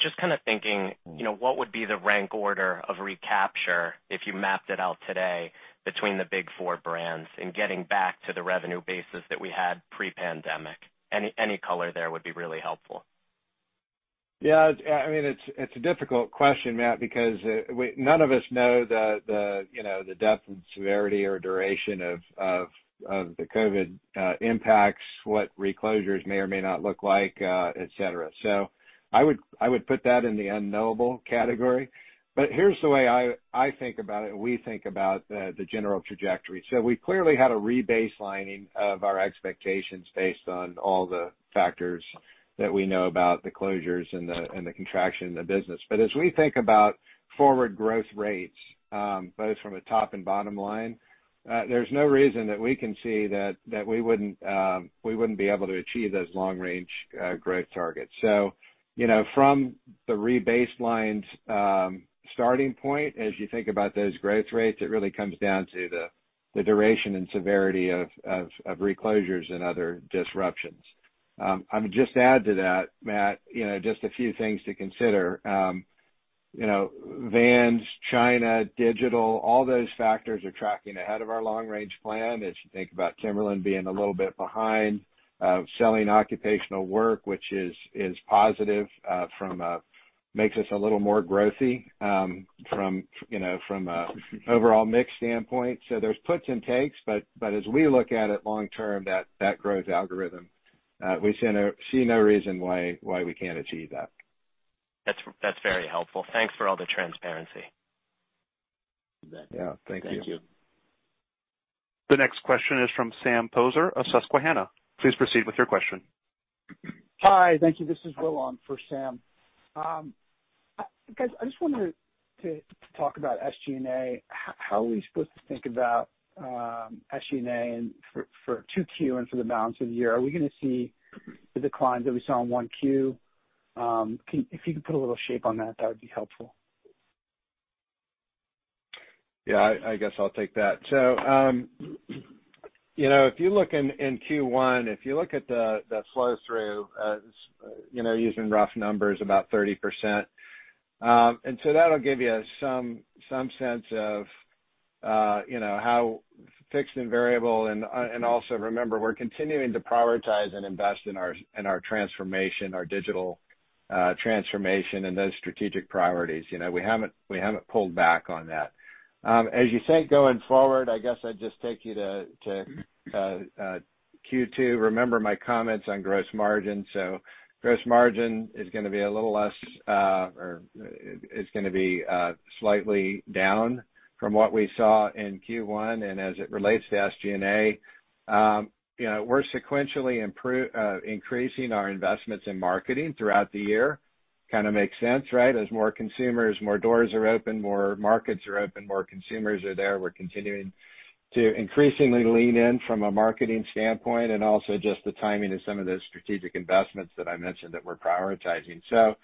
Just thinking, what would be the rank order of recapture if you mapped it out today between the big four brands and getting back to the revenue bases that we had pre-pandemic? Any color there would be really helpful. It's a difficult question, Matt, because none of us know the depth and severity or duration of the COVID impacts, what reclosures may or may not look like, et cetera. I would put that in the unknowable category. Here's the way I think about it, and we think about the general trajectory. We clearly had a re-baselining of our expectations based on all the factors that we know about the closures and the contraction in the business. As we think about forward growth rates both from a top and bottom line, there's no reason that we can see that we wouldn't be able to achieve those long-range growth targets. From the re-baselined starting point, as you think about those growth rates, it really comes down to the duration and severity of reclosures and other disruptions. I would just add to that, Matt, just a few things to consider. Vans, China, digital, all those factors are tracking ahead of our long-range plan. As you think about Timberland being a little bit behind, selling occupational work, which is positive, makes us a little more growthy from an overall mix standpoint. There's puts and takes, as we look at it long term, that growth algorithm, we see no reason why we can't achieve that. That's very helpful. Thanks for all the transparency. You bet. Yeah. Thank you. Thank you. The next question is from Sam Poser of Susquehanna. Please proceed with your question. Hi. Thank you. This is Will on for Sam. Guys, I just wanted to talk about SG&A. How are we supposed to think about SG&A for 2Q and for the balance of the year? Are we going to see the declines that we saw in 1Q? If you could put a little shape on that would be helpful. Yeah. I guess I'll take that. If you look in Q1, if you look at the flow through, using rough numbers, about 30%. That'll give you some sense of how fixed and variable and also remember we're continuing to prioritize and invest in our transformation, our digital transformation and those strategic priorities. We haven't pulled back on that. As you think going forward, I guess I'd just take you to Q2. Remember my comments on gross margin. Gross margin is going to be a little less, or it's going to be slightly down from what we saw in Q1. As it relates to SG&A, we're sequentially increasing our investments in marketing throughout the year. Kind of makes sense. As more consumers, more doors are open, more markets are open, more consumers are there, we're continuing to increasingly lean in from a marketing standpoint, and also just the timing of some of those strategic investments that I mentioned that we're prioritizing. You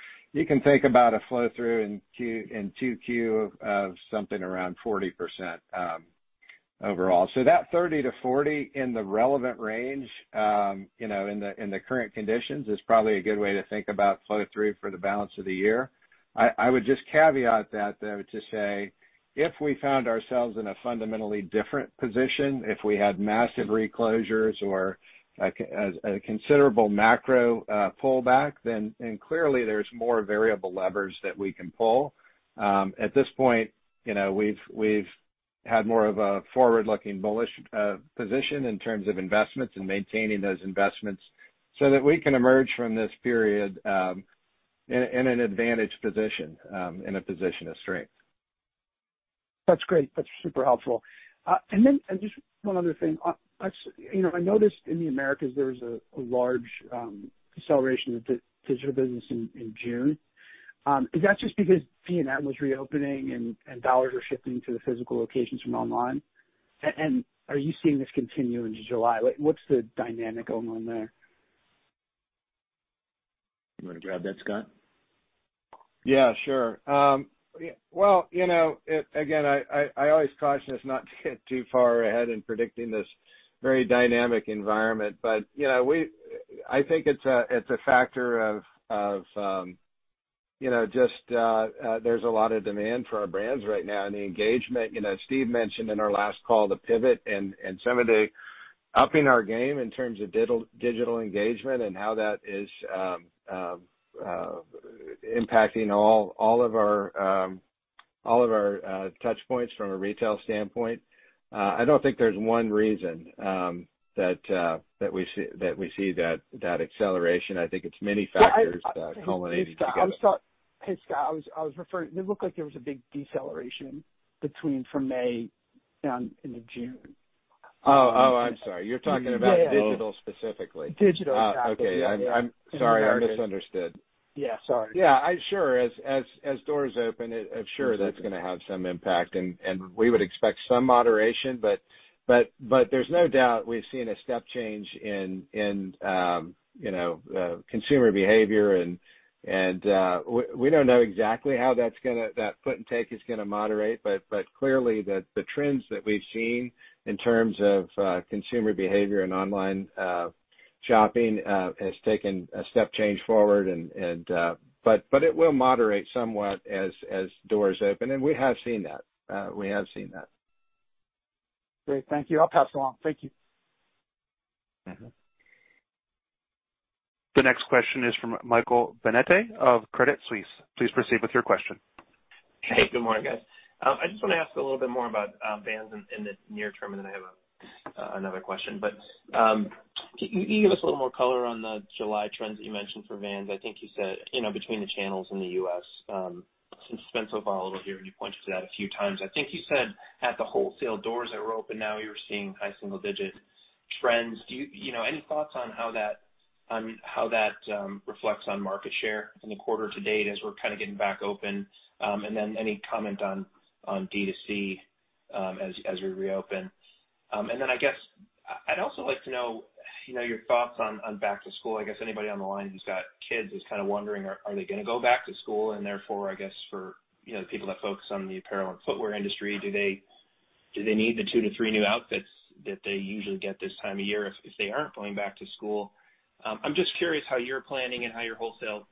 can think about a flow through in 2Q of something around 40% overall. That 30%-40% in the relevant range, in the current conditions is probably a good way to think about flow through for the balance of the year. I would just caveat that, though, to say if we found ourselves in a fundamentally different position, if we had massive reclosures or a considerable macro pullback then, and clearly there's more variable levers that we can pull. At this point, we've had more of a forward-looking bullish position in terms of investments and maintaining those investments so that we can emerge from this period in an advantaged position, in a position of strength. That's great. That's super helpful. Just one other thing. I noticed in the Americas there was a large acceleration of digital business in June. Is that just because P&M was reopening and $ were shifting to the physical locations from online? Are you seeing this continue into July? What's the dynamic going on there? You want to grab that, Scott? Yeah, sure. Again, I always caution us not to get too far ahead in predicting this very dynamic environment, but I think it's a factor of, just there's a lot of demand for our brands right now, and the engagement. Steve mentioned in our last call the pivot and some of the upping our game in terms of digital engagement and how that is impacting all of our touchpoints from a retail standpoint. I don't think there's one reason that we see that acceleration. I think it's many factors culminating together. Hey, Scott. It looked like there was a big deceleration from May into June. Oh, I'm sorry. You're talking about digital specifically. Digital. Okay. I'm sorry. I misunderstood. Yeah. Sorry. Yeah. Sure. As doors open, sure, that's going to have some impact, and we would expect some moderation. There's no doubt we've seen a step change in consumer behavior, and we don't know exactly how that put and take is going to moderate. Clearly, the trends that we've seen in terms of consumer behavior and online shopping has taken a step change forward. It will moderate somewhat as doors open, and we have seen that. Great. Thank you. I'll pass it along. Thank you. The next question is from Michael Binetti of Credit Suisse. Please proceed with your question. Hey, good morning, guys. I just want to ask a little bit more about Vans in the near term, and then I have another question. Can you give us a little more color on the July trends that you mentioned for Vans? I think you said between the channels in the U.S. It's been so volatile here, and you pointed to that a few times. I think you said at the wholesale doors that were open now you're seeing high single-digit trends. Any thoughts on how that reflects on market share in the quarter to date as we're getting back open? Any comment on D2C as we reopen? I guess I'd also like to know your thoughts on back to school. I guess anybody on the line who's got kids is wondering, are they going to go back to school? Therefore, I guess for the people that focus on the apparel and footwear industry, do they need the two to three new outfits that they usually get this time of year if they aren't going back to school? I'm just curious how you're planning and how your wholesale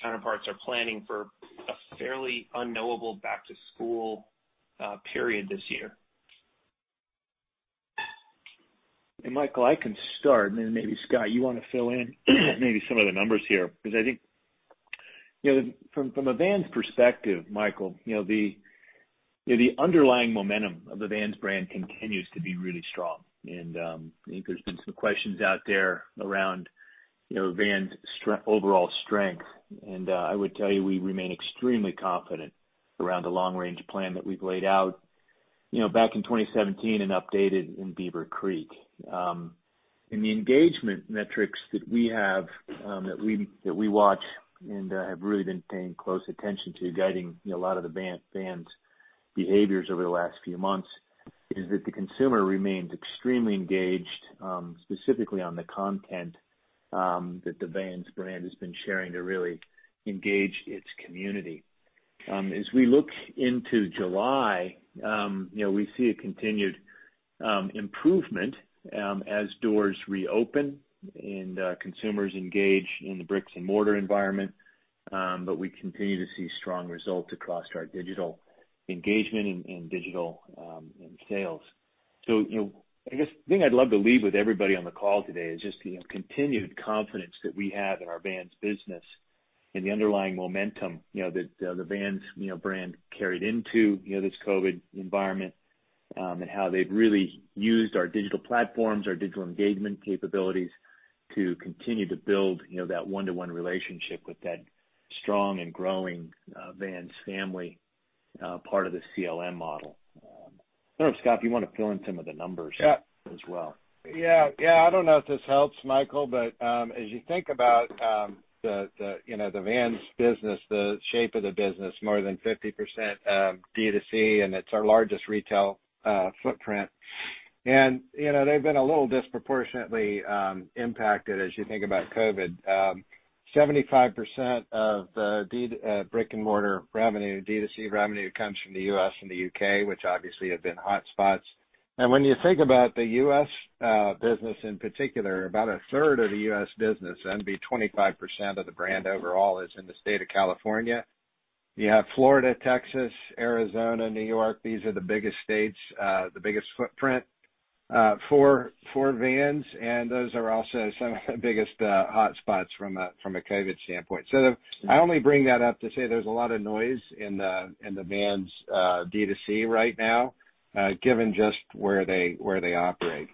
counterparts are planning for a fairly unknowable back-to-school period this year. Hey, Michael, I can start. Then maybe Scott, you want to fill in maybe some of the numbers here. I think from a Vans perspective, Michael, the underlying momentum of the Vans brand continues to be really strong. I think there's been some questions out there around Vans' overall strength. I would tell you we remain extremely confident around the long-range plan that we've laid out back in 2017 and updated in Beaver Creek. In the engagement metrics that we watch and have really been paying close attention to guiding a lot of the Vans behaviors over the last few months is that the consumer remains extremely engaged, specifically on the content that the Vans brand has been sharing to really engage its community. As we look into July, we see a continued improvement as doors reopen and consumers engage in the bricks and mortar environment. We continue to see strong results across our digital engagement and digital sales. I guess the thing I'd love to leave with everybody on the call today is just the continued confidence that we have in our Vans business and the underlying momentum that the Vans brand carried into this COVID environment and how they've really used our digital platforms, our digital engagement capabilities to continue to build that one-to-one relationship with that strong and growing Vans Family part of the CLV model. I don't know if, Scott, you want to fill in some of the numbers. as well. I don't know if this helps, Michael, but as you think about the Vans business, the shape of the business, more than 50% D2C. It's our largest retail footprint. They've been a little disproportionately impacted as you think about COVID. 75% of the brick-and-mortar revenue, D2C revenue comes from the U.S. and the U.K., which obviously have been hot spots. When you think about the U.S. business in particular, about a third of the U.S. business, that'd be 25% of the brand overall is in the state of California. You have Florida, Texas, Arizona, New York. These are the biggest states, the biggest footprint for Vans, and those are also some of the biggest hot spots from a COVID standpoint. I only bring that up to say there's a lot of noise in the Vans D2C right now given just where they operate.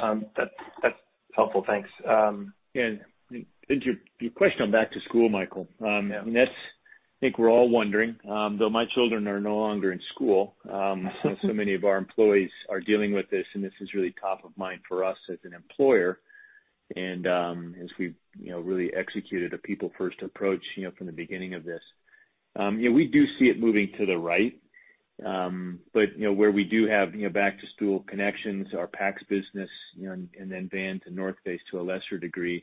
That's helpful. Thanks. To your question on back to school, Michael. Yeah. I think we're all wondering. Though my children are no longer in school, so many of our employees are dealing with this, and this is really top of mind for us as an employer and as we've really executed a people-first approach from the beginning of this. We do see it moving to the right. Where we do have back-to-school connections, our packs business and then Vans and North Face to a lesser degree,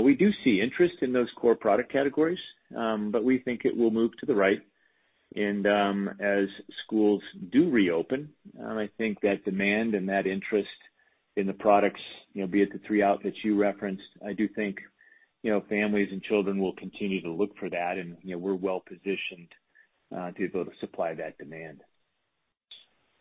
we do see interest in those core product categories, but we think it will move to the right. As schools do reopen, I think that demand and that interest in the products, be it the three outfits you referenced, I do think families and children will continue to look for that, and we're well-positioned to be able to supply that demand.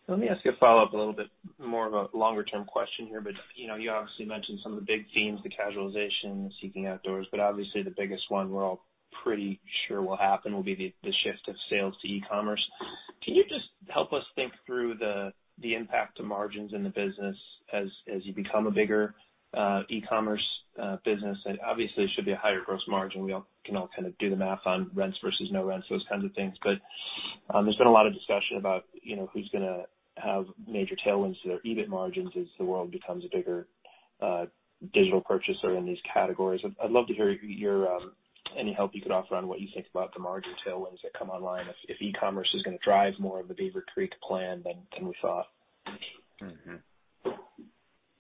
Let me ask you a follow-up, a little bit more of a longer-term question here. You obviously mentioned some of the big themes, the casualization, the seeking outdoors. Obviously, the biggest one we're all pretty sure will happen will be the shift of sales to e-commerce. Can you just help us think through the impact to margins in the business as you become a bigger e-commerce business? Obviously, it should be a higher gross margin. We all can kind of do the math on rents versus no rents, those kinds of things. There's been a lot of discussion about who's going to have major tailwinds to their EBIT margins as the world becomes a bigger digital purchaser in these categories. I'd love to hear any help you could offer on what you think about the margin tailwinds that come online if e-commerce is going to drive more of the Beaver Creek Plan than we thought?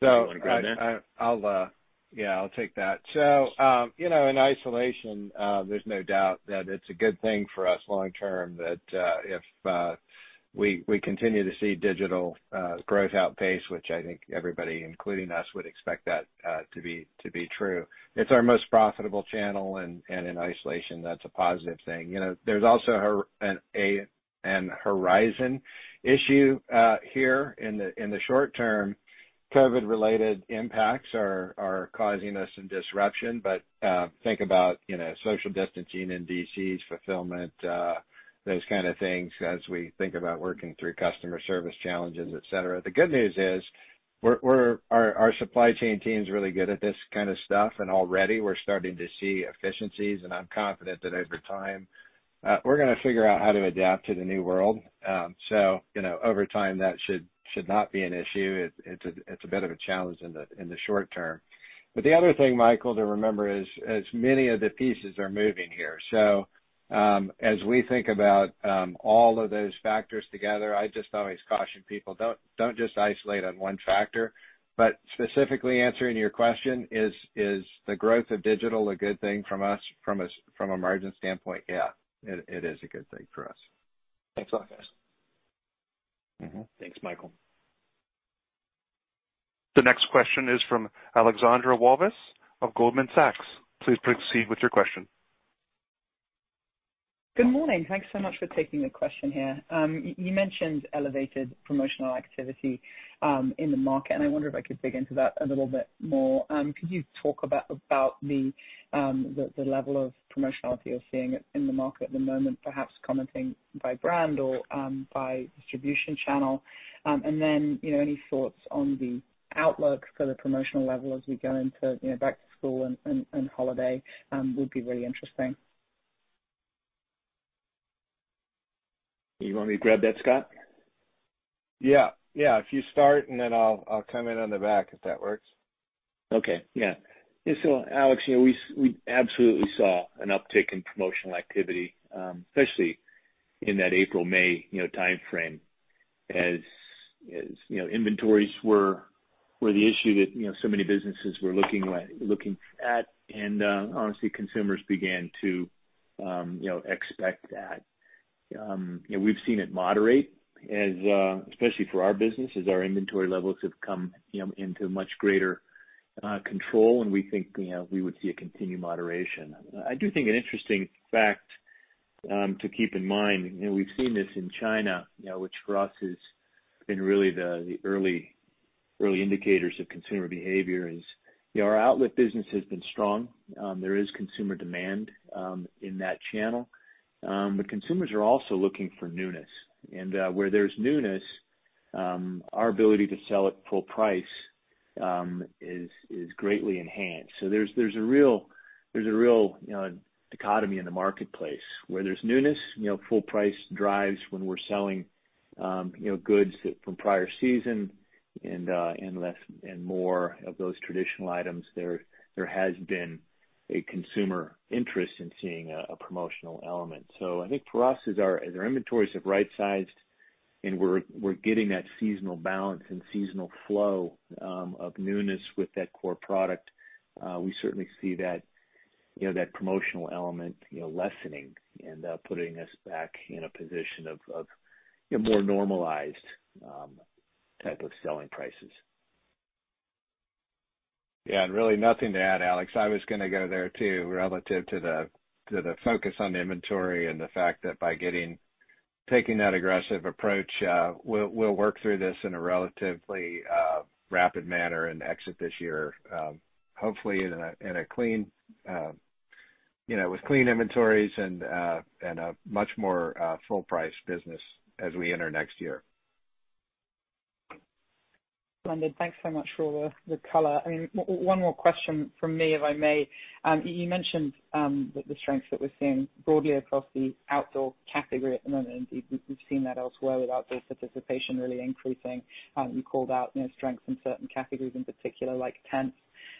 You want to grab that? I'll take that. In isolation, there's no doubt that it's a good thing for us long term. That if we continue to see digital growth outpace, which I think everybody, including us, would expect that to be true. It's our most profitable channel, and in isolation, that's a positive thing. There's also a horizon issue here in the short term. COVID-19 related impacts are causing us some disruption, think about social distancing in DCs, fulfillment, those kind of things, as we think about working through customer service challenges, et cetera. The good news is our supply chain team's really good at this kind of stuff, already we're starting to see efficiencies. I'm confident that over time, we're going to figure out how to adapt to the new world. Over time, that should not be an issue. It's a bit of a challenge in the short term. The other thing, Michael, to remember is many of the pieces are moving here. As we think about all of those factors together, I just always caution people, don't just isolate on one factor. Specifically answering your question, is the growth of digital a good thing from a margin standpoint? Yeah. It is a good thing for us. Thanks a lot, guys. Mm-hmm. Thanks, Michael. The next question is from Alexandra Walvis of Goldman Sachs. Please proceed with your question. Good morning. Thanks so much for taking the question here. You mentioned elevated promotional activity in the market, and I wonder if I could dig into that a little bit more. Could you talk about the level of promotionality you're seeing in the market at the moment, perhaps commenting by brand or by distribution channel? Any thoughts on the outlook for the promotional level as we go back to school and holiday would be really interesting. You want me to grab that, Scott? Yeah. If you start and then I'll come in on the back, if that works. Okay. Yeah. Alex, we absolutely saw an uptick in promotional activity, especially in that April, May timeframe, as inventories were the issue that so many businesses were looking at. Honestly, consumers began to expect that. We've seen it moderate, especially for our business, as our inventory levels have come into much greater control, and we think we would see a continued moderation. I do think an interesting fact to keep in mind, and we've seen this in China, which for us has been really the early indicators of consumer behavior, is our outlet business has been strong. There is consumer demand in that channel. Consumers are also looking for newness. Where there's newness, our ability to sell at full price is greatly enhanced. There's a real dichotomy in the marketplace. Where there's newness, full price drives when we're selling goods from prior season and more of those traditional items. There has been a consumer interest in seeing a promotional element. I think for us, as our inventories have right-sized and we're getting that seasonal balance and seasonal flow of newness with that core product, we certainly see that promotional element lessening and putting us back in a position of more normalized type of selling prices. Yeah, really nothing to add, Alex. I was going to go there, too, relative to the focus on inventory and the fact that by taking that aggressive approach, we'll work through this in a relatively rapid manner and exit this year, hopefully with clean inventories and a much more full-price business as we enter next year. Splendid. Thanks so much for the color. One more question from me, if I may. You mentioned the strengths that we're seeing broadly across the outdoor category at the moment. Indeed, we've seen that elsewhere with outdoor participation really increasing. You called out strengths in certain categories in particular, like tents.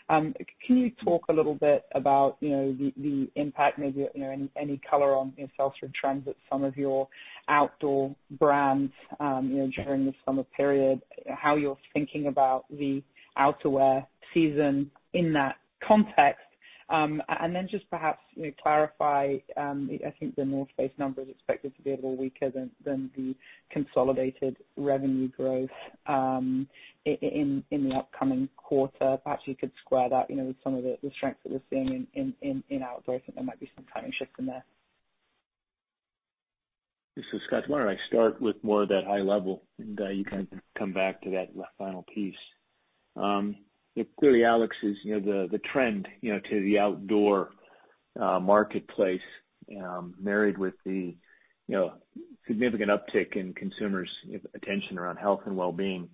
Can you talk a little bit about the impact, maybe any color on sell-through trends at some of your outdoor brands during the summer period? How you're thinking about the outerwear season in that context. Just perhaps clarify, I think The North Face number is expected to be a little weaker than the consolidated revenue growth in the upcoming quarter. Perhaps you could square that with some of the strength that we're seeing in outdoor. I think there might be some timing shifts in there. This is Scott. Why don't I start with more of that high level, You can come back to that final piece. Clearly, Alex, the trend to the outdoor marketplace, married with the significant uptick in consumers' attention around health and wellbeing,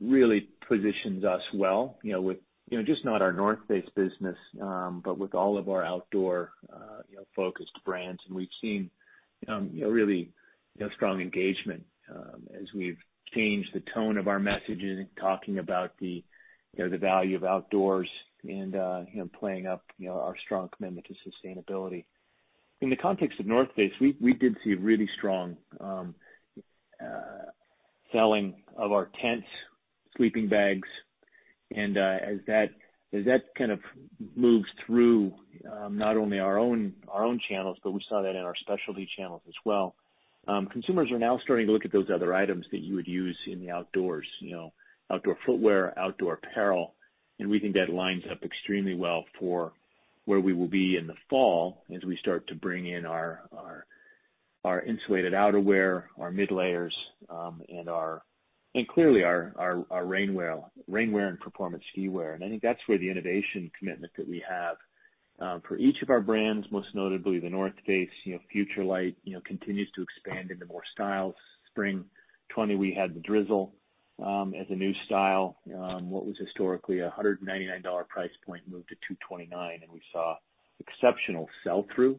really positions us well with just not our North Face business, but with all of our outdoor focused brands. We've seen really strong engagement as we've changed the tone of our messaging, talking about the value of outdoors and playing up our strong commitment to sustainability. In the context of North Face, we did see really strong selling of our tents, sleeping bags, As that kind of moves through not only our own channels, but we saw that in our specialty channels as well. Consumers are now starting to look at those other items that you would use in the outdoors. Outdoor footwear, outdoor apparel. We think that lines up extremely well for where we will be in the fall as we start to bring in our insulated outerwear, our mid layers, and clearly our rainwear and performance ski wear. I think that's where the innovation commitment that we have for each of our brands, most notably The North Face, Futurelight continues to expand into more styles. Spring 2020, we had the Dryzzle as a new style. What was historically a $199 price point moved to $229, and we saw exceptional sell-through,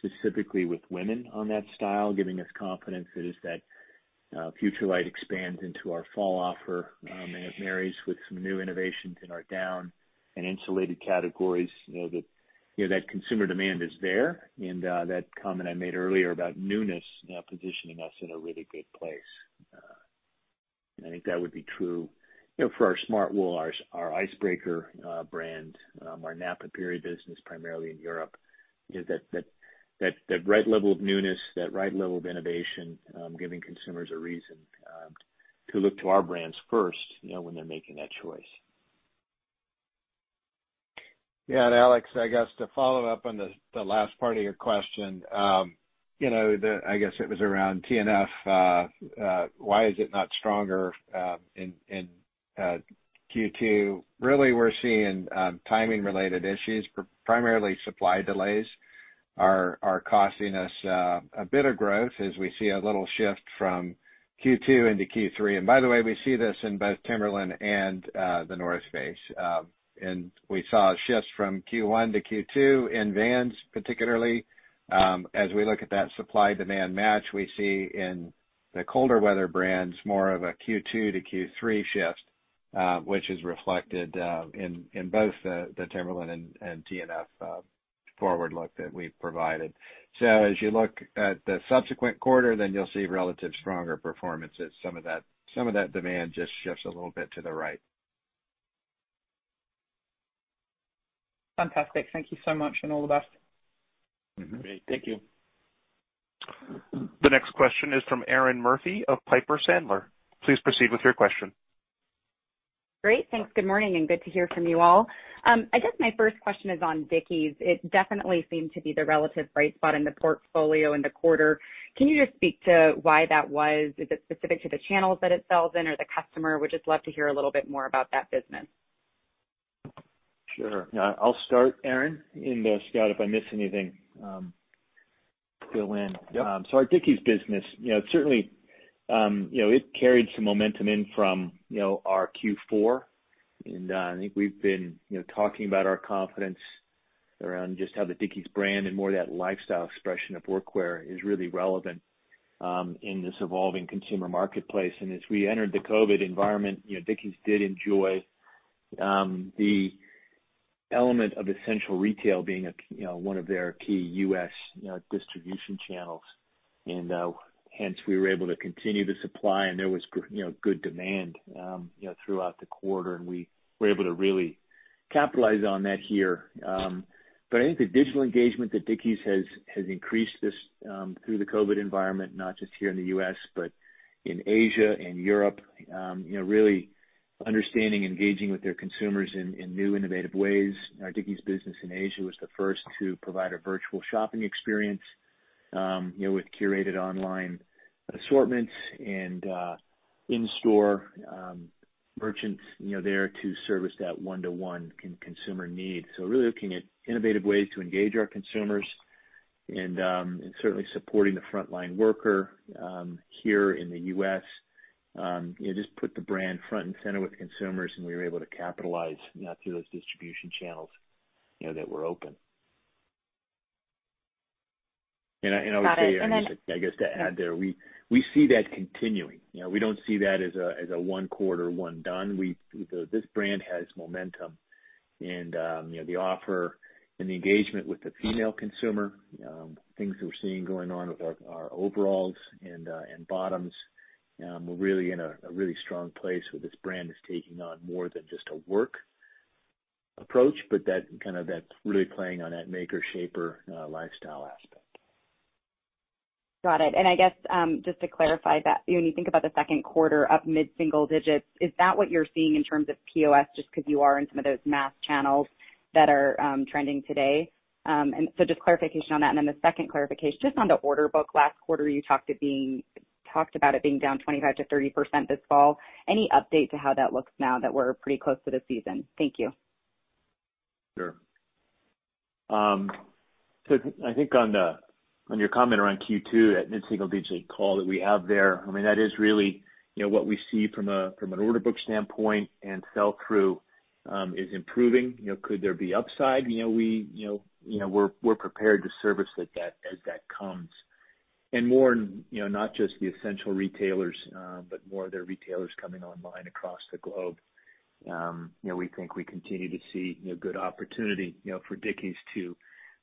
specifically with women on that style, giving us confidence that as that Futurelight expands into our fall offer and it marries with some new innovations in our down and insulated categories, that consumer demand is there. That comment I made earlier about newness positioning us in a really good place. I think that would be true for our Smartwool, our Icebreaker brand, our Napapijri business primarily in Europe, is that right level of newness, that right level of innovation, giving consumers a reason to look to our brands first when they're making that choice. Yeah, Alex, I guess to follow up on the last part of your question. I guess it was around TNF. Why is it not stronger in Q2? Really, we're seeing timing related issues. Primarily, supply delays are costing us a bit of growth as we see a little shift from Q2 into Q3. By the way, we see this in both Timberland and The North Face. We saw shifts from Q1 to Q2 in Vans particularly. As we look at that supply demand match, we see in the colder weather brands more of a Q2 to Q3 shift, which is reflected in both the Timberland and TNF forward look that we've provided. As you look at the subsequent quarter, you'll see relative stronger performance as some of that demand just shifts a little bit to the right. Fantastic. Thank you so much, and all the best. Great. Thank you. The next question is from Erinn Murphy of Piper Sandler. Please proceed with your question. Great. Thanks. Good morning, and good to hear from you all. I guess my first question is on Dickies. It definitely seemed to be the relative bright spot in the portfolio in the quarter. Can you just speak to why that was? Is it specific to the channels that it sells in or the customer? Would just love to hear a little bit more about that business. Sure. I'll start, Erinn, and Scott, if I miss anything, fill in. Yep. Our Dickies business, it carried some momentum in from our Q4, and I think we've been talking about our confidence around just how the Dickies brand and more of that lifestyle expression of workwear is really relevant in this evolving consumer marketplace. As we entered the COVID environment, Dickies did enjoy the element of essential retail being one of their key U.S. distribution channels, and hence, we were able to continue to supply, and there was good demand throughout the quarter, and we were able to really capitalize on that here. I think the digital engagement that Dickies has increased through the COVID environment, not just here in the U.S., but in Asia and Europe, really understanding, engaging with their consumers in new, innovative ways. Our Dickies business in Asia was the first to provide a virtual shopping experience with curated online assortments and in-store merchants there to service that one-to-one consumer need. Really looking at innovative ways to engage our consumers and certainly supporting the frontline worker here in the U.S. Just put the brand front and center with consumers, and we were able to capitalize through those distribution channels that were open. Got it. I guess to add there, we see that continuing. We don't see that as a one quarter, one done. This brand has momentum, and the offer and the engagement with the female consumer, things that we're seeing going on with our overalls and bottoms. We're in a really strong place where this brand is taking on more than just a work approach, but that's really playing on that maker-shaper lifestyle aspect. Got it. I guess, just to clarify that, when you think about the second quarter up mid-single digits, is that what you're seeing in terms of POS just because you are in some of those mass channels that are trending today? Just clarification on that, and then the second clarification, just on the order book. Last quarter, you talked about it being down 25%-30% this fall. Any update to how that looks now that we're pretty close to the season? Thank you. Sure. I think on your comment around Q2, that mid-single digit call that we have there, that is really what we see from an order book standpoint, and sell-through is improving. Could there be upside? We're prepared to service as that comes. Not just the essential retailers, but more of their retailers coming online across the globe. We think we continue to see good opportunity for Dickies to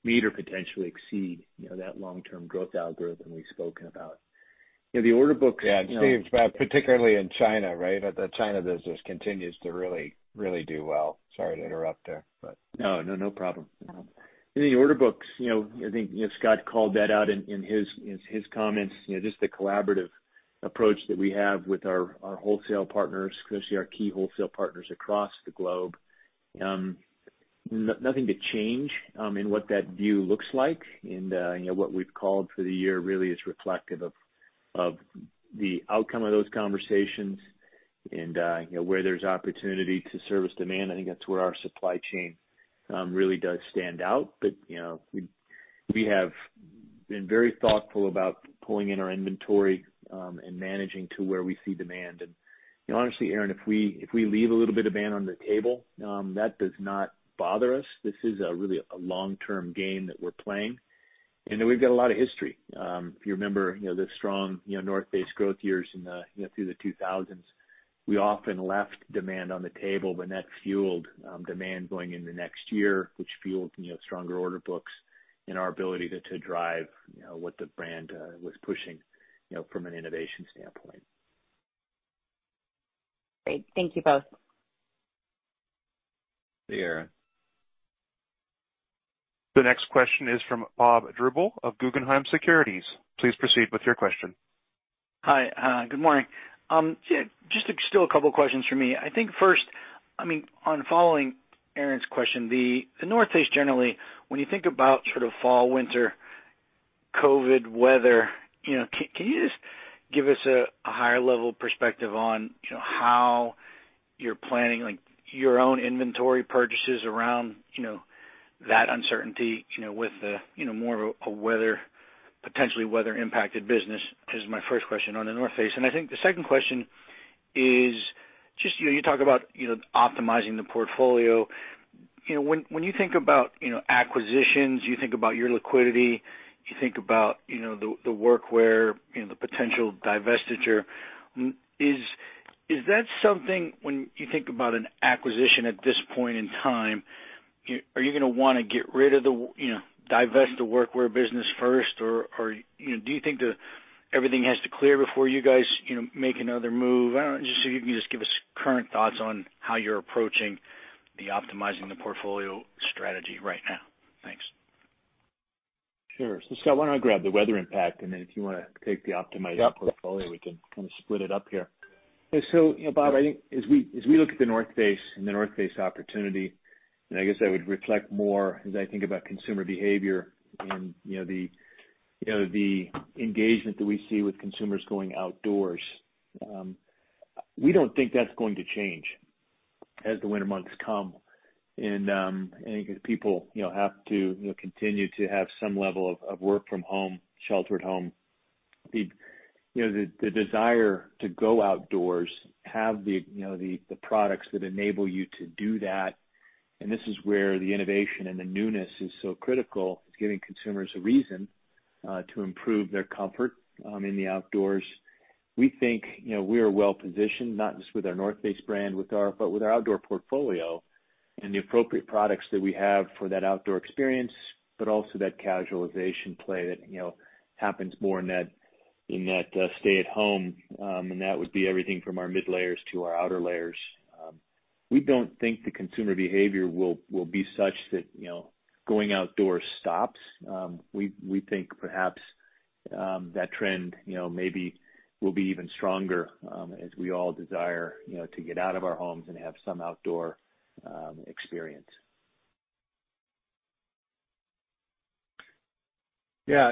meet or potentially exceed that long-term growth algorithm we've spoken about. Yeah, Steve, particularly in China, right? The China business continues to really do well. Sorry to interrupt there, but. No, no problem. The order books, I think Scott called that out in his comments, just the collaborative approach that we have with our wholesale partners, especially our key wholesale partners across the globe. Nothing to change in what that view looks like and what we've called for the year really is reflective of the outcome of those conversations and where there's opportunity to service demand. I think that's where our supply chain really does stand out. We have been very thoughtful about pulling in our inventory and managing to where we see demand. Honestly, Erinn, if we leave a little bit of demand on the table, that does not bother us. This is really a long-term game that we're playing, and we've got a lot of history. If you remember, the strong The North Face growth years through the 2000s, we often left demand on the table, and that fueled demand going into next year, which fueled stronger order books and our ability to drive what the brand was pushing from an innovation standpoint. Great. Thank you both. See you, Erinn. The next question is from Bob Drbul of Guggenheim Securities. Please proceed with your question. Hi. Good morning. Just still a couple questions from me. I think first, on following Erinn's question, The North Face generally, when you think about fall/winter, COVID weather, can you just give us a higher level perspective on how you're planning your own inventory purchases around that uncertainty with more of a potentially weather impacted business is my first question on The North Face. I think the second question is just you talk about optimizing the portfolio. When you think about acquisitions, you think about your liquidity, you think about the workwear, the potential divestiture. Is that something, when you think about an acquisition at this point in time, are you going to want to divest the workwear business first, or do you think that everything has to clear before you guys make another move? I don't know, just so you can just give us current thoughts on how you're approaching the optimizing the portfolio strategy right now. Thanks. Sure. Scott, why don't I grab the weather impact, and then if you want to take the optimizing the portfolio, we can split it up here. Bob, I think as we look at The North Face and The North Face opportunity, and I guess I would reflect more as I think about consumer behavior and the engagement that we see with consumers going outdoors. We don't think that's going to change as the winter months come, and people have to continue to have some level of work from home, sheltered home. The desire to go outdoors, have the products that enable you to do that, and this is where the innovation and the newness is so critical. It's giving consumers a reason to improve their comfort in the outdoors. We think we are well positioned, not just with our The North Face brand, but with our outdoor portfolio and the appropriate products that we have for that outdoor experience, but also that casualization play that happens more in that stay at home. That would be everything from our mid layers to our outer layers. We don't think the consumer behavior will be such that going outdoors stops. We think perhaps that trend maybe will be even stronger as we all desire to get out of our homes and have some outdoor experience. Yeah.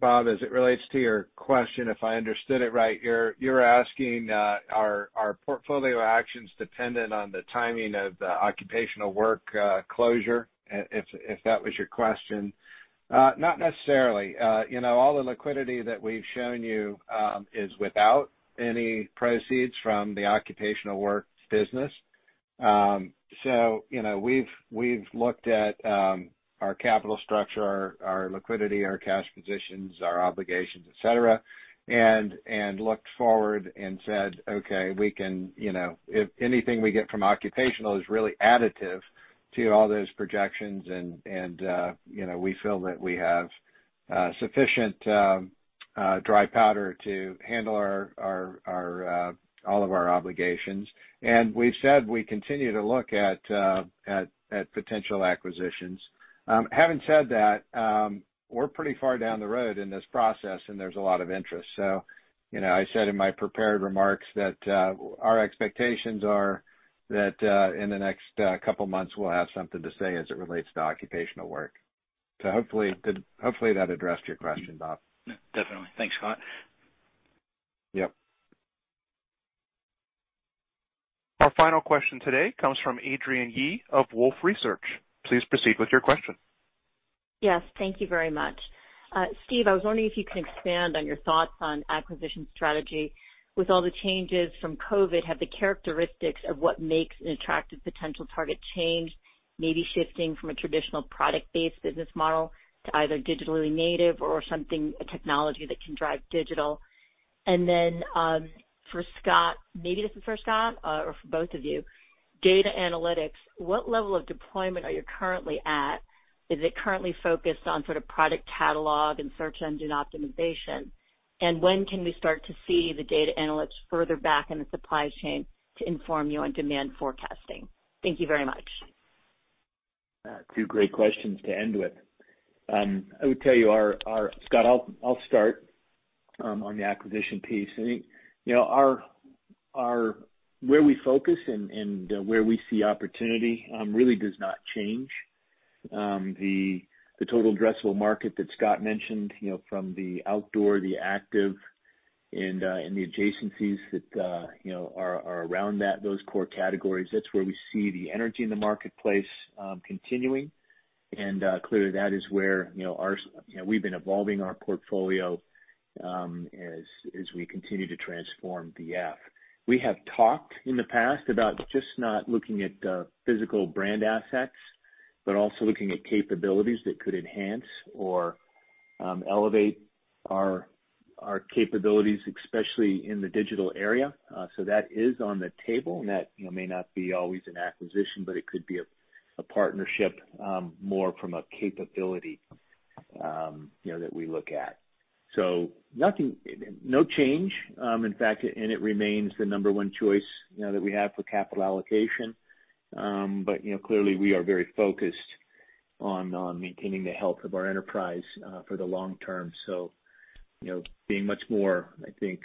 Bob, as it relates to your question, if I understood it right, you're asking are portfolio actions dependent on the timing of the occupational work closure, if that was your question. Not necessarily. All the liquidity that we've shown you is without any proceeds from the occupational work business. We've looked at our capital structure, our liquidity, our cash positions, our obligations, et cetera, and looked forward and said, okay, anything we get from occupational is really additive to all those projections, and we feel that we have sufficient dry powder to handle all of our obligations. We've said we continue to look at potential acquisitions. Having said that, we're pretty far down the road in this process, and there's a lot of interest. I said in my prepared remarks that our expectations are that in the next couple of months, we'll have something to say as it relates to occupational work. Hopefully that addressed your question, Bob. Yeah, definitely. Thanks, Scott. Yep. Our final question today comes from Adrienne Yih of Wolfe Research. Please proceed with your question. Yes, thank you very much. Steve, I was wondering if you could expand on your thoughts on acquisition strategy. With all the changes from COVID, have the characteristics of what makes an attractive potential target changed, maybe shifting from a traditional product-based business model to either digitally native or a technology that can drive digital? Maybe this is for Scott or for both of you. Data analytics, what level of deployment are you currently at? Is it currently focused on sort of product catalog and search engine optimization? When can we start to see the data analytics further back in the supply chain to inform you on demand forecasting? Thank you very much. Two great questions to end with. Scott, I'll start on the acquisition piece. Where we focus and where we see opportunity really does not change. The total addressable market that Scott mentioned from the outdoor, the active, and the adjacencies that are around those core categories, that's where we see the energy in the marketplace continuing. Clearly, that is where we've been evolving our portfolio as we continue to transform VF. We have talked in the past about just not looking at physical brand assets, but also looking at capabilities that could enhance or elevate our capabilities, especially in the digital area. That is on the table, and that may not be always an acquisition, but it could be a partnership, more from a capability that we look at. No change, in fact, and it remains the number one choice that we have for capital allocation. Clearly we are very focused on maintaining the health of our enterprise for the long term. Being much more, I think,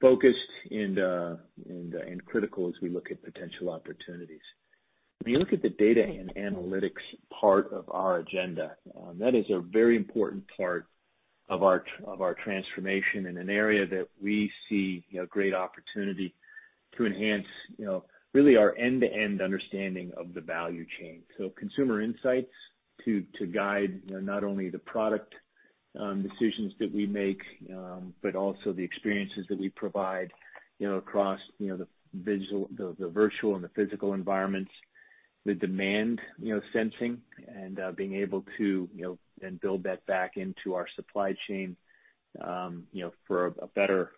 focused and critical as we look at potential opportunities. When you look at the data and analytics part of our agenda, that is a very important part of our transformation and an area that we see great opportunity to enhance really our end-to-end understanding of the value chain. Consumer insights to guide not only the product decisions that we make, but also the experiences that we provide across the virtual and the physical environments. The demand sensing and being able to then build that back into our supply chain for a better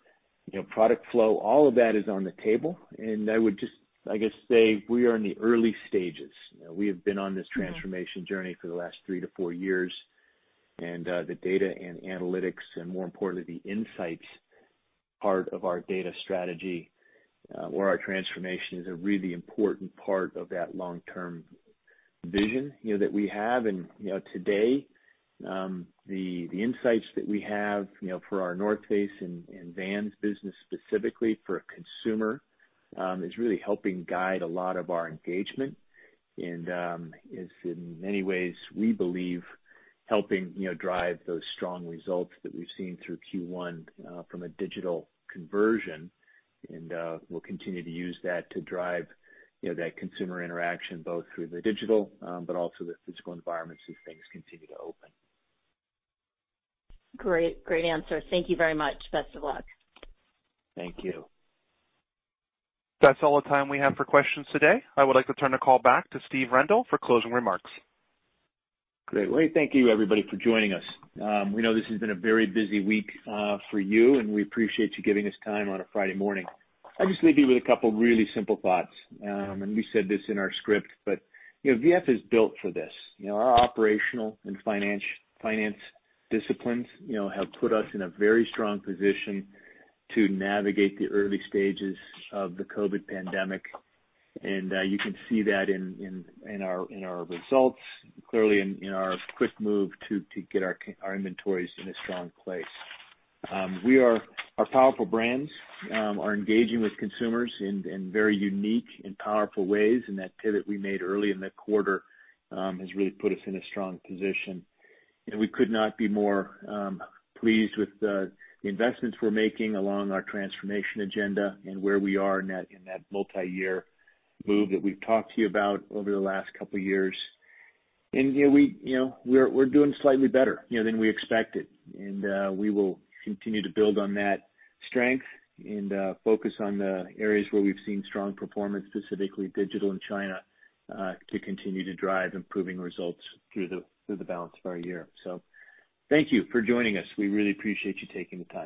product flow. All of that is on the table, and I would just, I guess, say we are in the early stages. We have been on this transformation journey for the last three to four years, and the data and analytics, and more importantly, the insights part of our data strategy or our transformation is a really important part of that long-term vision that we have. Today, the insights that we have for our The North Face and Vans business, specifically for a consumer, is really helping guide a lot of our engagement and is in many ways, we believe, helping drive those strong results that we've seen through Q1 from a digital conversion. We'll continue to use that to drive that consumer interaction, both through the digital but also the physical environments as things continue to open. Great answer. Thank you very much. Best of luck. Thank you. That's all the time we have for questions today. I would like to turn the call back to Steve Rendle for closing remarks. Great. Well, thank you everybody for joining us. We know this has been a very busy week for you, and we appreciate you giving us time on a Friday morning. I'll just leave you with a couple of really simple thoughts. We said this in our script, but V.F. is built for this. Our operational and finance disciplines have put us in a very strong position to navigate the early stages of the COVID-19 pandemic. You can see that in our results, clearly in our quick move to get our inventories in a strong place. Our powerful brands are engaging with consumers in very unique and powerful ways. That pivot we made early in the quarter has really put us in a strong position. We could not be more pleased with the investments we're making along our transformation agenda and where we are in that multi-year move that we've talked to you about over the last couple of years. We're doing slightly better than we expected, and we will continue to build on that strength and focus on the areas where we've seen strong performance, specifically digital and China, to continue to drive improving results through the balance of our year. Thank you for joining us. We really appreciate you taking the time.